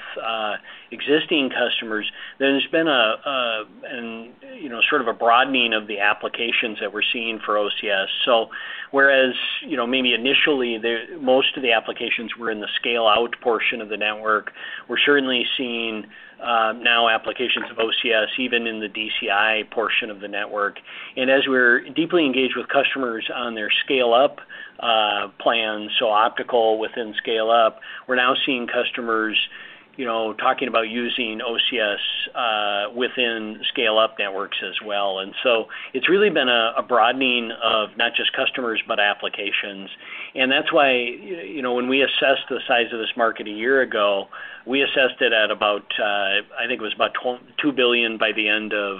existing customers, there's been an you know, sort of a broadening of the applications that we're seeing for OCS. So whereas, you know, maybe initially, the most of the applications were in the scale-out portion of the network, we're certainly seeing now applications of OCS even in the DCI portion of the network. As we're deeply engaged with customers on their scale-up plan, so optical within scale-up, we're now seeing customers, you know, talking about using OCS within scale-up networks as well. And so it's really been a broadening of not just customers, but applications. And that's why, you know, when we assessed the size of this market a year ago, we assessed it at about, I think it was about $2 billion by the end of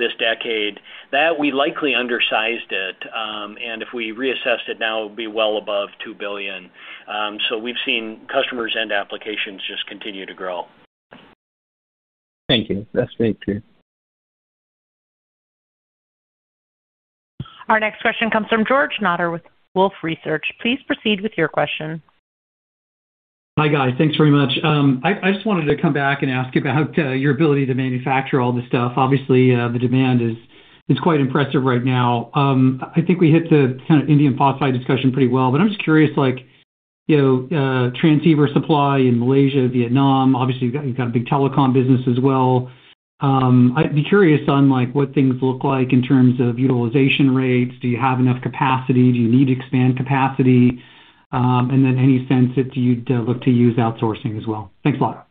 this decade. That, we likely undersized it, and if we reassessed it now, it would be well above $2 billion. So we've seen customers and applications just continue to grow. Thank you. That's great, too. Our next question comes from George Notter with Wolfe Research. Please proceed with your question. Hi, guys. Thanks very much. I just wanted to come back and ask about your ability to manufacture all this stuff. Obviously, the demand is quite impressive right now. I think we hit the kind of indium phosphide discussion pretty well, but I'm just curious, like, you know, transceiver supply in Malaysia, Vietnam. Obviously, you've got, you've got a big telecom business as well. I'd be curious on, like, what things look like in terms of utilization rates. Do you have enough capacity? Do you need to expand capacity? And then any sense if you'd look to use outsourcing as well. Thanks a lot.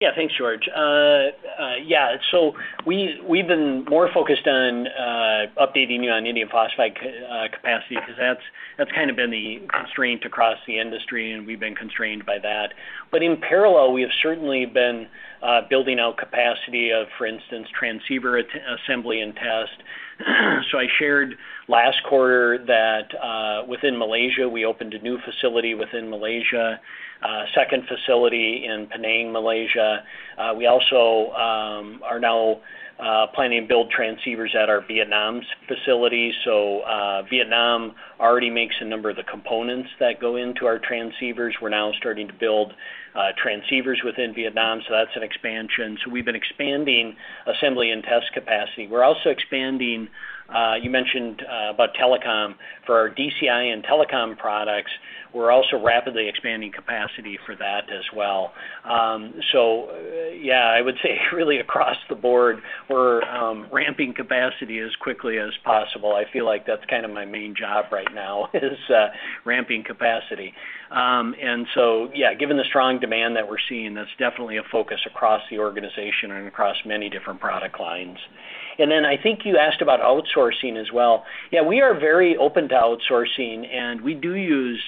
Yeah, thanks, George. Yeah, so we, we've been more focused on updating you on indium phosphide capacity because that's kind of been the constraint across the industry, and we've been constrained by that. But in parallel, we have certainly been building out capacity of, for instance, transceiver assembly and test. So I shared last quarter that within Malaysia, we opened a new facility within Malaysia, second facility in Penang, Malaysia. We also are now planning to build transceivers at our Vietnam's facility. So Vietnam already makes a number of the components that go into our transceivers. We're now starting to build transceivers within Vietnam, so that's an expansion. So we've been expanding assembly and test capacity. We're also expanding, you mentioned, about telecom. For our DCI and telecom products, we're also rapidly expanding capacity for that as well. So yeah, I would say, really across the board, we're ramping capacity as quickly as possible. I feel like that's kind of my main job right now, is ramping capacity. And so, yeah, given the strong demand that we're seeing, that's definitely a focus across the organization and across many different product lines. And then I think you asked about outsourcing as well. Yeah, we are very open to outsourcing, and we do use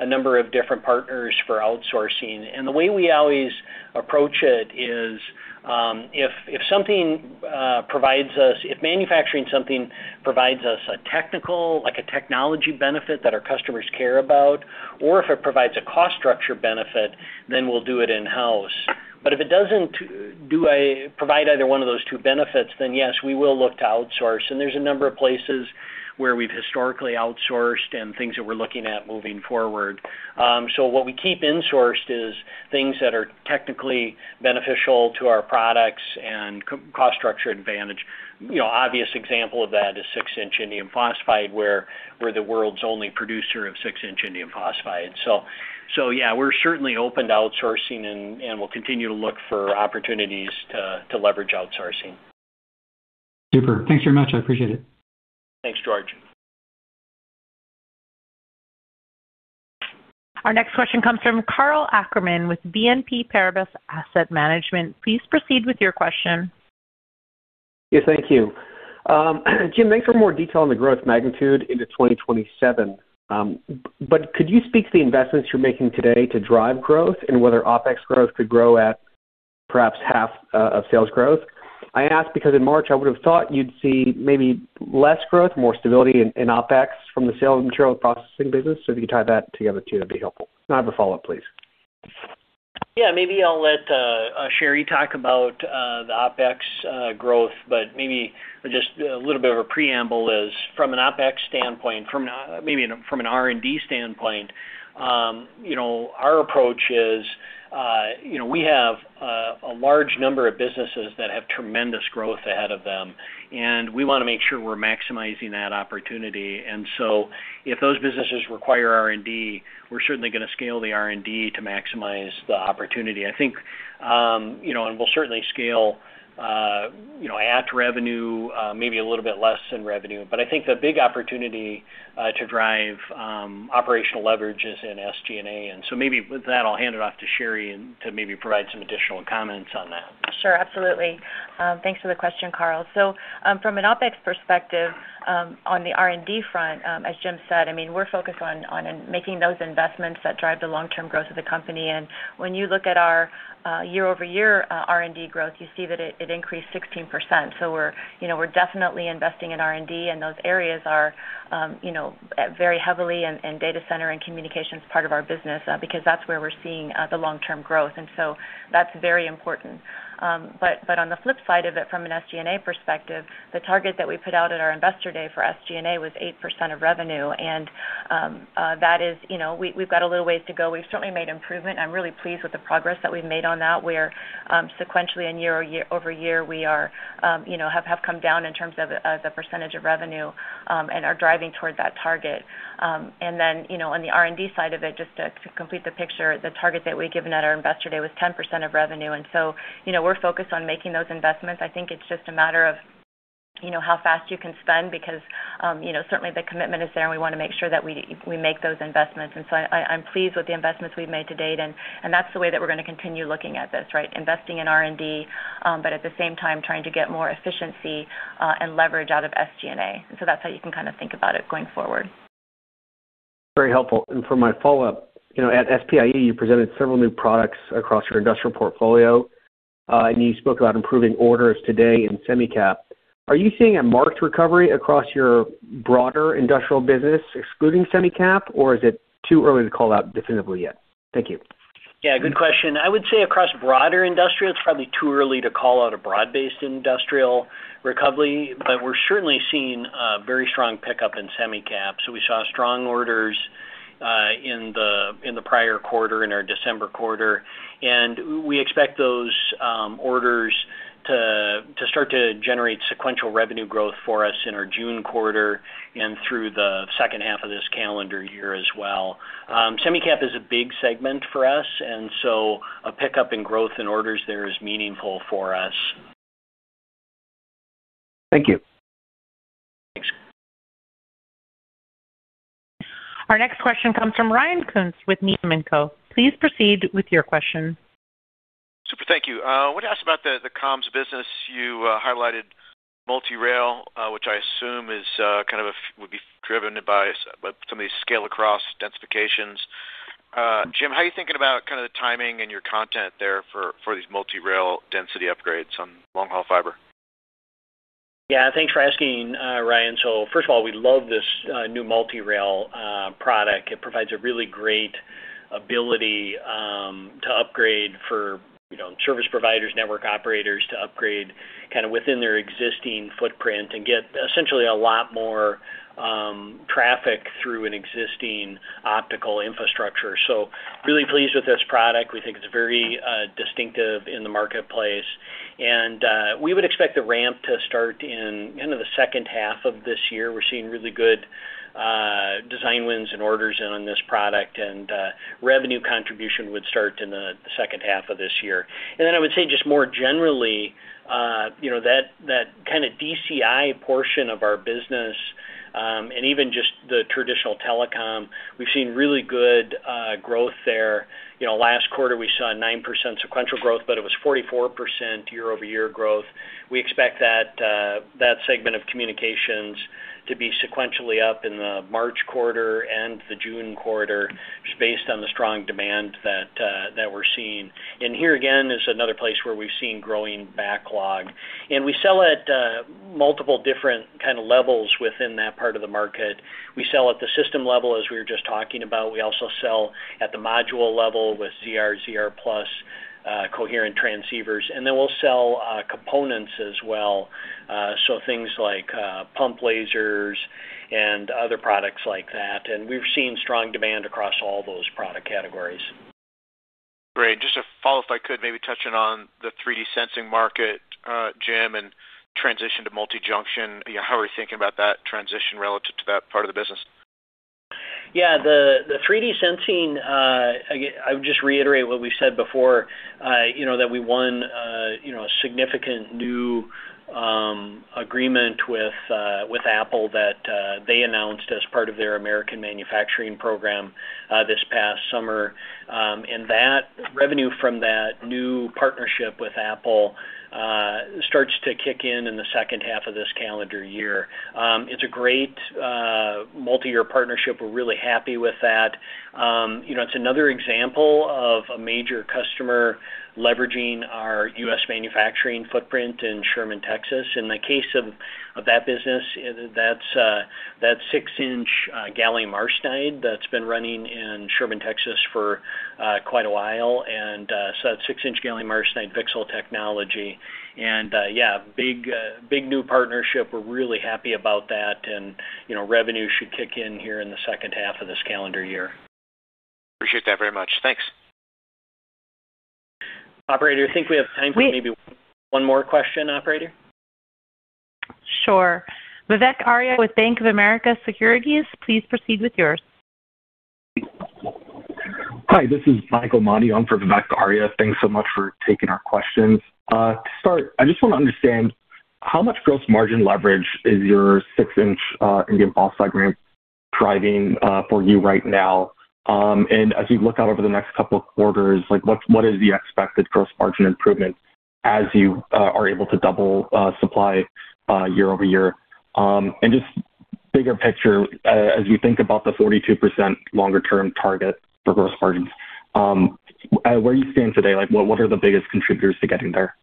a number of different partners for outsourcing. And the way we always approach it is, if manufacturing something provides us a technical, like a technology benefit that our customers care about, or if it provides a cost structure benefit, then we'll do it in-house. But if it doesn't provide either one of those two benefits, then yes, we will look to outsource. There's a number of places where we've historically outsourced and things that we're looking at moving forward. What we keep insourced is things that are technically beneficial to our products and cost structure advantage. You know, obvious example of that is six-inch indium phosphide, where we're the world's only producer of six-inch indium phosphide. So yeah, we're certainly open to outsourcing, and we'll continue to look for opportunities to leverage outsourcing. Super. Thanks very much. I appreciate it. Thanks, George. Our next question comes from Karl Ackerman with BNP Paribas Asset Management. Please proceed with your question. Yeah, thank you. Jim, thanks for more detail on the growth magnitude into 2027. But could you speak to the investments you're making today to drive growth and whether OpEx growth could grow at perhaps half of sales growth? I ask because in March, I would have thought you'd see maybe less growth, more stability in OpEx from the sales material and processing business. So if you could tie that together, too, that'd be helpful. And I have a follow-up, please. Yeah, maybe I'll let Sherri talk about the OpEx growth, but maybe just a little bit of a preamble is from an OpEx standpoint. Maybe from an R&D standpoint, you know, our approach is, you know, we have a large number of businesses that have tremendous growth ahead of them, and we want to make sure we're maximizing that opportunity. And so if those businesses require R&D, we're certainly going to scale the R&D to maximize the opportunity. I think, you know, and we'll certainly scale, you know, at revenue, maybe a little bit less than revenue. But I think the big opportunity to drive operational leverage is in SG&A. And so maybe with that, I'll hand it off to Sherri to maybe provide some additional comments on that. Sure, absolutely. Thanks for the question, Karl. So, from an OpEx perspective, on the R&D front, as Jim said, I mean, we're focused on making those investments that drive the long-term growth of the company. And when you look at our year-over-year R&D growth, you see that it increased 16%. So we're, you know, we're definitely investing in R&D, and those areas are, you know, very heavily in data center and communications part of our business, because that's where we're seeing the long-term growth. And so that's very important. But on the flip side of it, from an SG&A perspective, the target that we put out at our investor day for SG&A was 8% of revenue. And that is, you know, we've got a little ways to go. We've certainly made improvement. I'm really pleased with the progress that we've made on that. We're-... sequentially and year-over-year, we are, you know, have come down in terms of, of the percentage of revenue, and are driving toward that target. And then, you know, on the R&D side of it, just to complete the picture, the target that we'd given at our Investor Day was 10% of revenue. And so, you know, we're focused on making those investments. I think it's just a matter of, you know, how fast you can spend, because, you know, certainly the commitment is there, and we want to make sure that we make those investments. And so I'm pleased with the investments we've made to date, and that's the way that we're going to continue looking at this, right? Investing in R&D, but at the same time, trying to get more efficiency, and leverage out of SG&A. And so that's how you can kind of think about it going forward. Very helpful. For my follow-up, you know, at SPIE, you presented several new products across your industrial portfolio, and you spoke about improving orders today in Semicap. Are you seeing a marked recovery across your broader industrial business, excluding Semicap, or is it too early to call out definitively yet? Thank you. Yeah, good question. I would say across broader industrial, it's probably too early to call out a broad-based industrial recovery, but we're certainly seeing a very strong pickup in Semicap. So we saw strong orders in the prior quarter, in our December quarter. And we expect those orders to start to generate sequential revenue growth for us in our June quarter and through the second half of this calendar year as well. Semicap is a big segment for us, and so a pickup in growth in orders there is meaningful for us. Thank you. Thanks. Our next question comes from Ryan Koontz with Needham & Company. Please proceed with your question. Super. Thank you. I wanted to ask about the comms business. You highlighted Multi-Rail, which I assume is kind of would be driven by some of these scale-across densifications. Jim, how are you thinking about kind of the timing and your content there for these Multi-Rail density upgrades on long-haul fiber? Yeah, thanks for asking, Ryan. So first of all, we love this new Multi-Rail product. It provides a really great ability to upgrade for, you know, service providers, network operators, to upgrade kind of within their existing footprint and get essentially a lot more traffic through an existing optical infrastructure. So really pleased with this product. We think it's very distinctive in the marketplace, and we would expect the ramp to start in the end of the second half of this year. We're seeing really good design wins and orders in on this product, and revenue contribution would start in the second half of this year. And then I would say, just more generally, you know, that kind of DCI portion of our business, and even just the traditional telecom, we've seen really good growth there. You know, last quarter, we saw a 9% sequential growth, but it was 44% year-over-year growth. We expect that, that segment of communications to be sequentially up in the March quarter and the June quarter, just based on the strong demand that, that we're seeing. And here, again, is another place where we've seen growing backlog. And we sell at, multiple different kind of levels within that part of the market. We sell at the system level, as we were just talking about. We also sell at the module level with ZR, ZR+, coherent transceivers, and then we'll sell, components as well. So things like, pump lasers and other products like that. And we've seen strong demand across all those product categories. Great. Just to follow, if I could maybe touch in on the 3D sensing market, Jim, and transition to multi-junction. How are you thinking about that transition relative to that part of the business? Yeah, the 3D sensing, again, I would just reiterate what we've said before, you know, that we won, you know, a significant new agreement with Apple that they announced as part of their American manufacturing program, this past summer. And that revenue from that new partnership with Apple starts to kick in in the second half of this calendar year. It's a great multi-year partnership. We're really happy with that. You know, it's another example of a major customer leveraging our US manufacturing footprint in Sherman, Texas. In the case of that business, that's six-inch gallium arsenide that's been running in Sherman, Texas, for quite a while, and so that's six-inch gallium arsenide pixel technology. And yeah, big new partnership. We're really happy about that. You know, revenue should kick in here in the second half of this calendar year. Appreciate that very much. Thanks. Operator, I think we have time for maybe one more question, operator? Sure. Vivek Arya with Bank of America Securities, please proceed with yours. Hi, this is Michael Mani. I'm for Vivek Arya. Thanks so much for taking our questions. To start, I just want to understand how much gross margin leverage is your six-inch indium phosphide ramp driving for you right now? And as you look out over the next couple of quarters, like, what is the expected gross margin improvement as you are able to double supply year-over-year? And just bigger picture, as you think about the 42% longer term target for gross margins, where do you stand today? Like, what are the biggest contributors to getting there?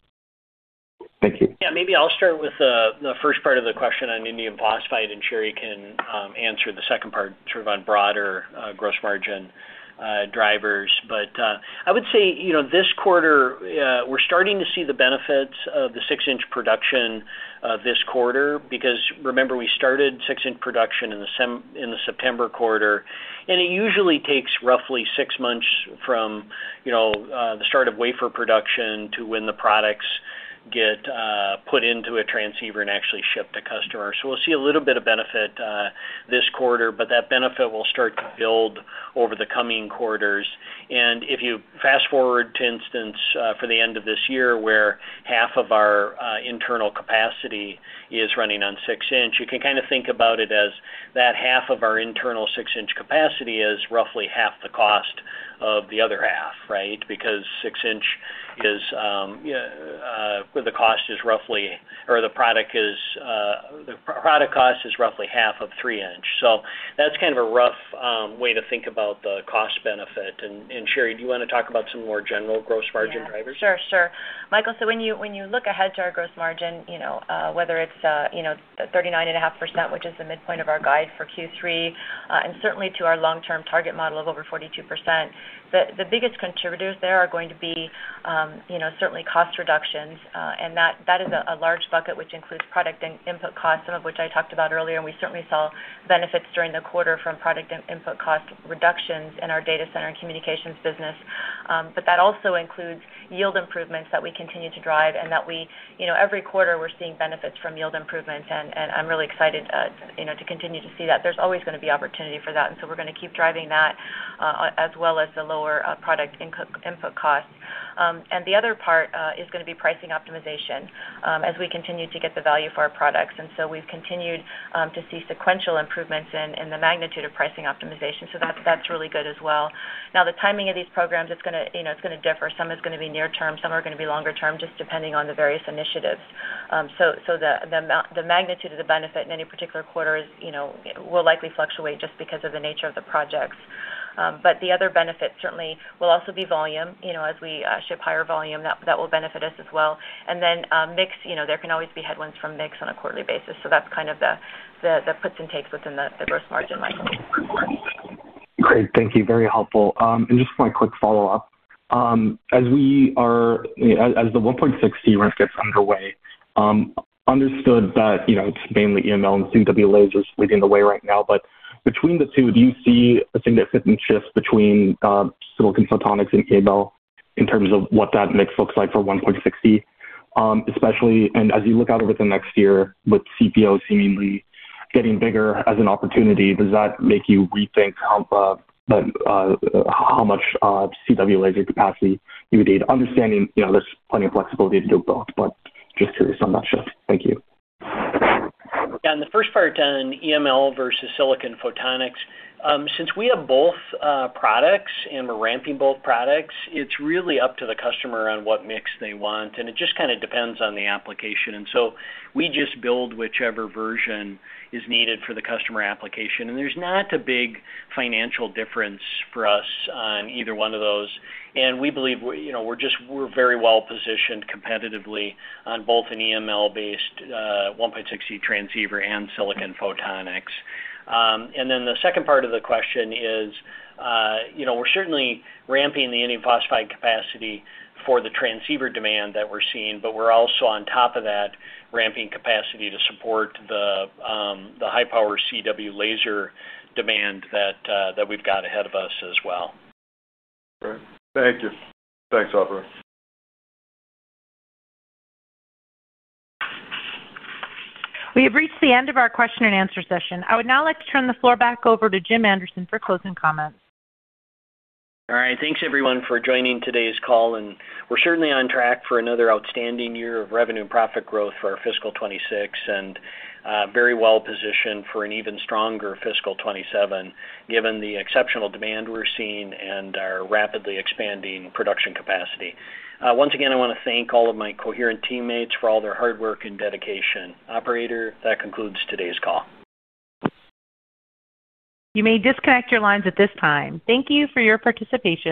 Thank you. Yeah, maybe I'll start with the first part of the question on indium phosphide, and Sherri can answer the second part, sort of on broader gross margin drivers. But I would say, you know, this quarter we're starting to see the benefits of the six-inch production this quarter, because remember, we started six-inch production in the September quarter. And it usually takes roughly six months from, you know, the start of wafer production to when the products get put into a transceiver and actually shipped to customers. So we'll see a little bit of benefit this quarter, but that benefit will start to build over the coming quarters. And if you fast-forward for instance, for the end of this year, where half of our internal capacity is running on six-inch, you can kind of think about it as that half of our internal six-inch capacity is roughly half the cost of the other half, right? Because six-inch is where the cost is roughly or the product is the product cost is roughly half of three-inch. So that's kind of a rough way to think about the cost benefit. And Sherri, do you wanna talk about some more general gross margin drivers? Yeah. Sure, sure. Michael, so when you look ahead to our gross margin, you know, whether it's the 39.5%, which is the midpoint of our guide for Q3, and certainly to our long-term target model of over 42%, the biggest contributors there are going to be, you know, certainly cost reductions, and that is a large bucket, which includes product and input costs, some of which I talked about earlier. And we certainly saw benefits during the quarter from product and input cost reductions in our data center and communications business. But that also includes yield improvements that we continue to drive and that we, you know, every quarter we're seeing benefits from yield improvements, and I'm really excited, you know, to continue to see that. There's always gonna be opportunity for that, and so we're gonna keep driving that, as well as the lower product input costs. And the other part is gonna be pricing optimization, as we continue to get the value for our products. And so we've continued to see sequential improvements in the magnitude of pricing optimization, so that's really good as well. Now, the timing of these programs, it's gonna, you know, it's gonna differ. Some is gonna be near term, some are gonna be longer term, just depending on the various initiatives. So the magnitude of the benefit in any particular quarter is, you know, will likely fluctuate just because of the nature of the projects. But the other benefit certainly will also be volume. You know, as we ship higher volume, that, that will benefit us as well. And then, mix, you know, there can always be headwinds from mix on a quarterly basis, so that's kind of the puts and takes within the gross margin, Michael. Great. Thank you. Very helpful. And just one quick follow-up. As the 1.6 ramp gets underway, understood that, you know, it's mainly EML and CW lasers leading the way right now, but between the two, do you see a significant shift between silicon photonics and EML in terms of what that mix looks like for 1.6T? Especially and as you look out over the next year, with CPO seemingly getting bigger as an opportunity, does that make you rethink how much CW laser capacity you would need, understanding, you know, there's plenty of flexibility to do both, but just curious on that shift. Thank you. Yeah, on the first part on EML versus silicon photonics, since we have both products and we're ramping both products, it's really up to the customer on what mix they want, and it just kind of depends on the application. And so we just build whichever version is needed for the customer application. And there's not a big financial difference for us on either one of those. And we believe we, you know, we're just, we're very well-positioned competitively on both an EML-based 1.6T transceiver and silicon photonics. And then the second part of the question is, you know, we're certainly ramping the indium phosphide capacity for the transceiver demand that we're seeing, but we're also, on top of that, ramping capacity to support the high-power CW laser demand that we've got ahead of us as well. Great. Thank you. Thanks, operator. We have reached the end of our question and answer session. I would now like to turn the floor back over to Jim Anderson for closing comments. All right. Thanks, everyone, for joining today's call, and we're certainly on track for another outstanding year of revenue and profit growth for our fiscal 2026, and very well positioned for an even stronger fiscal 2027, given the exceptional demand we're seeing and our rapidly expanding production capacity. Once again, I wanna thank all of my Coherent teammates for all their hard work and dedication. Operator, that concludes today's call. You may disconnect your lines at this time. Thank you for your participation.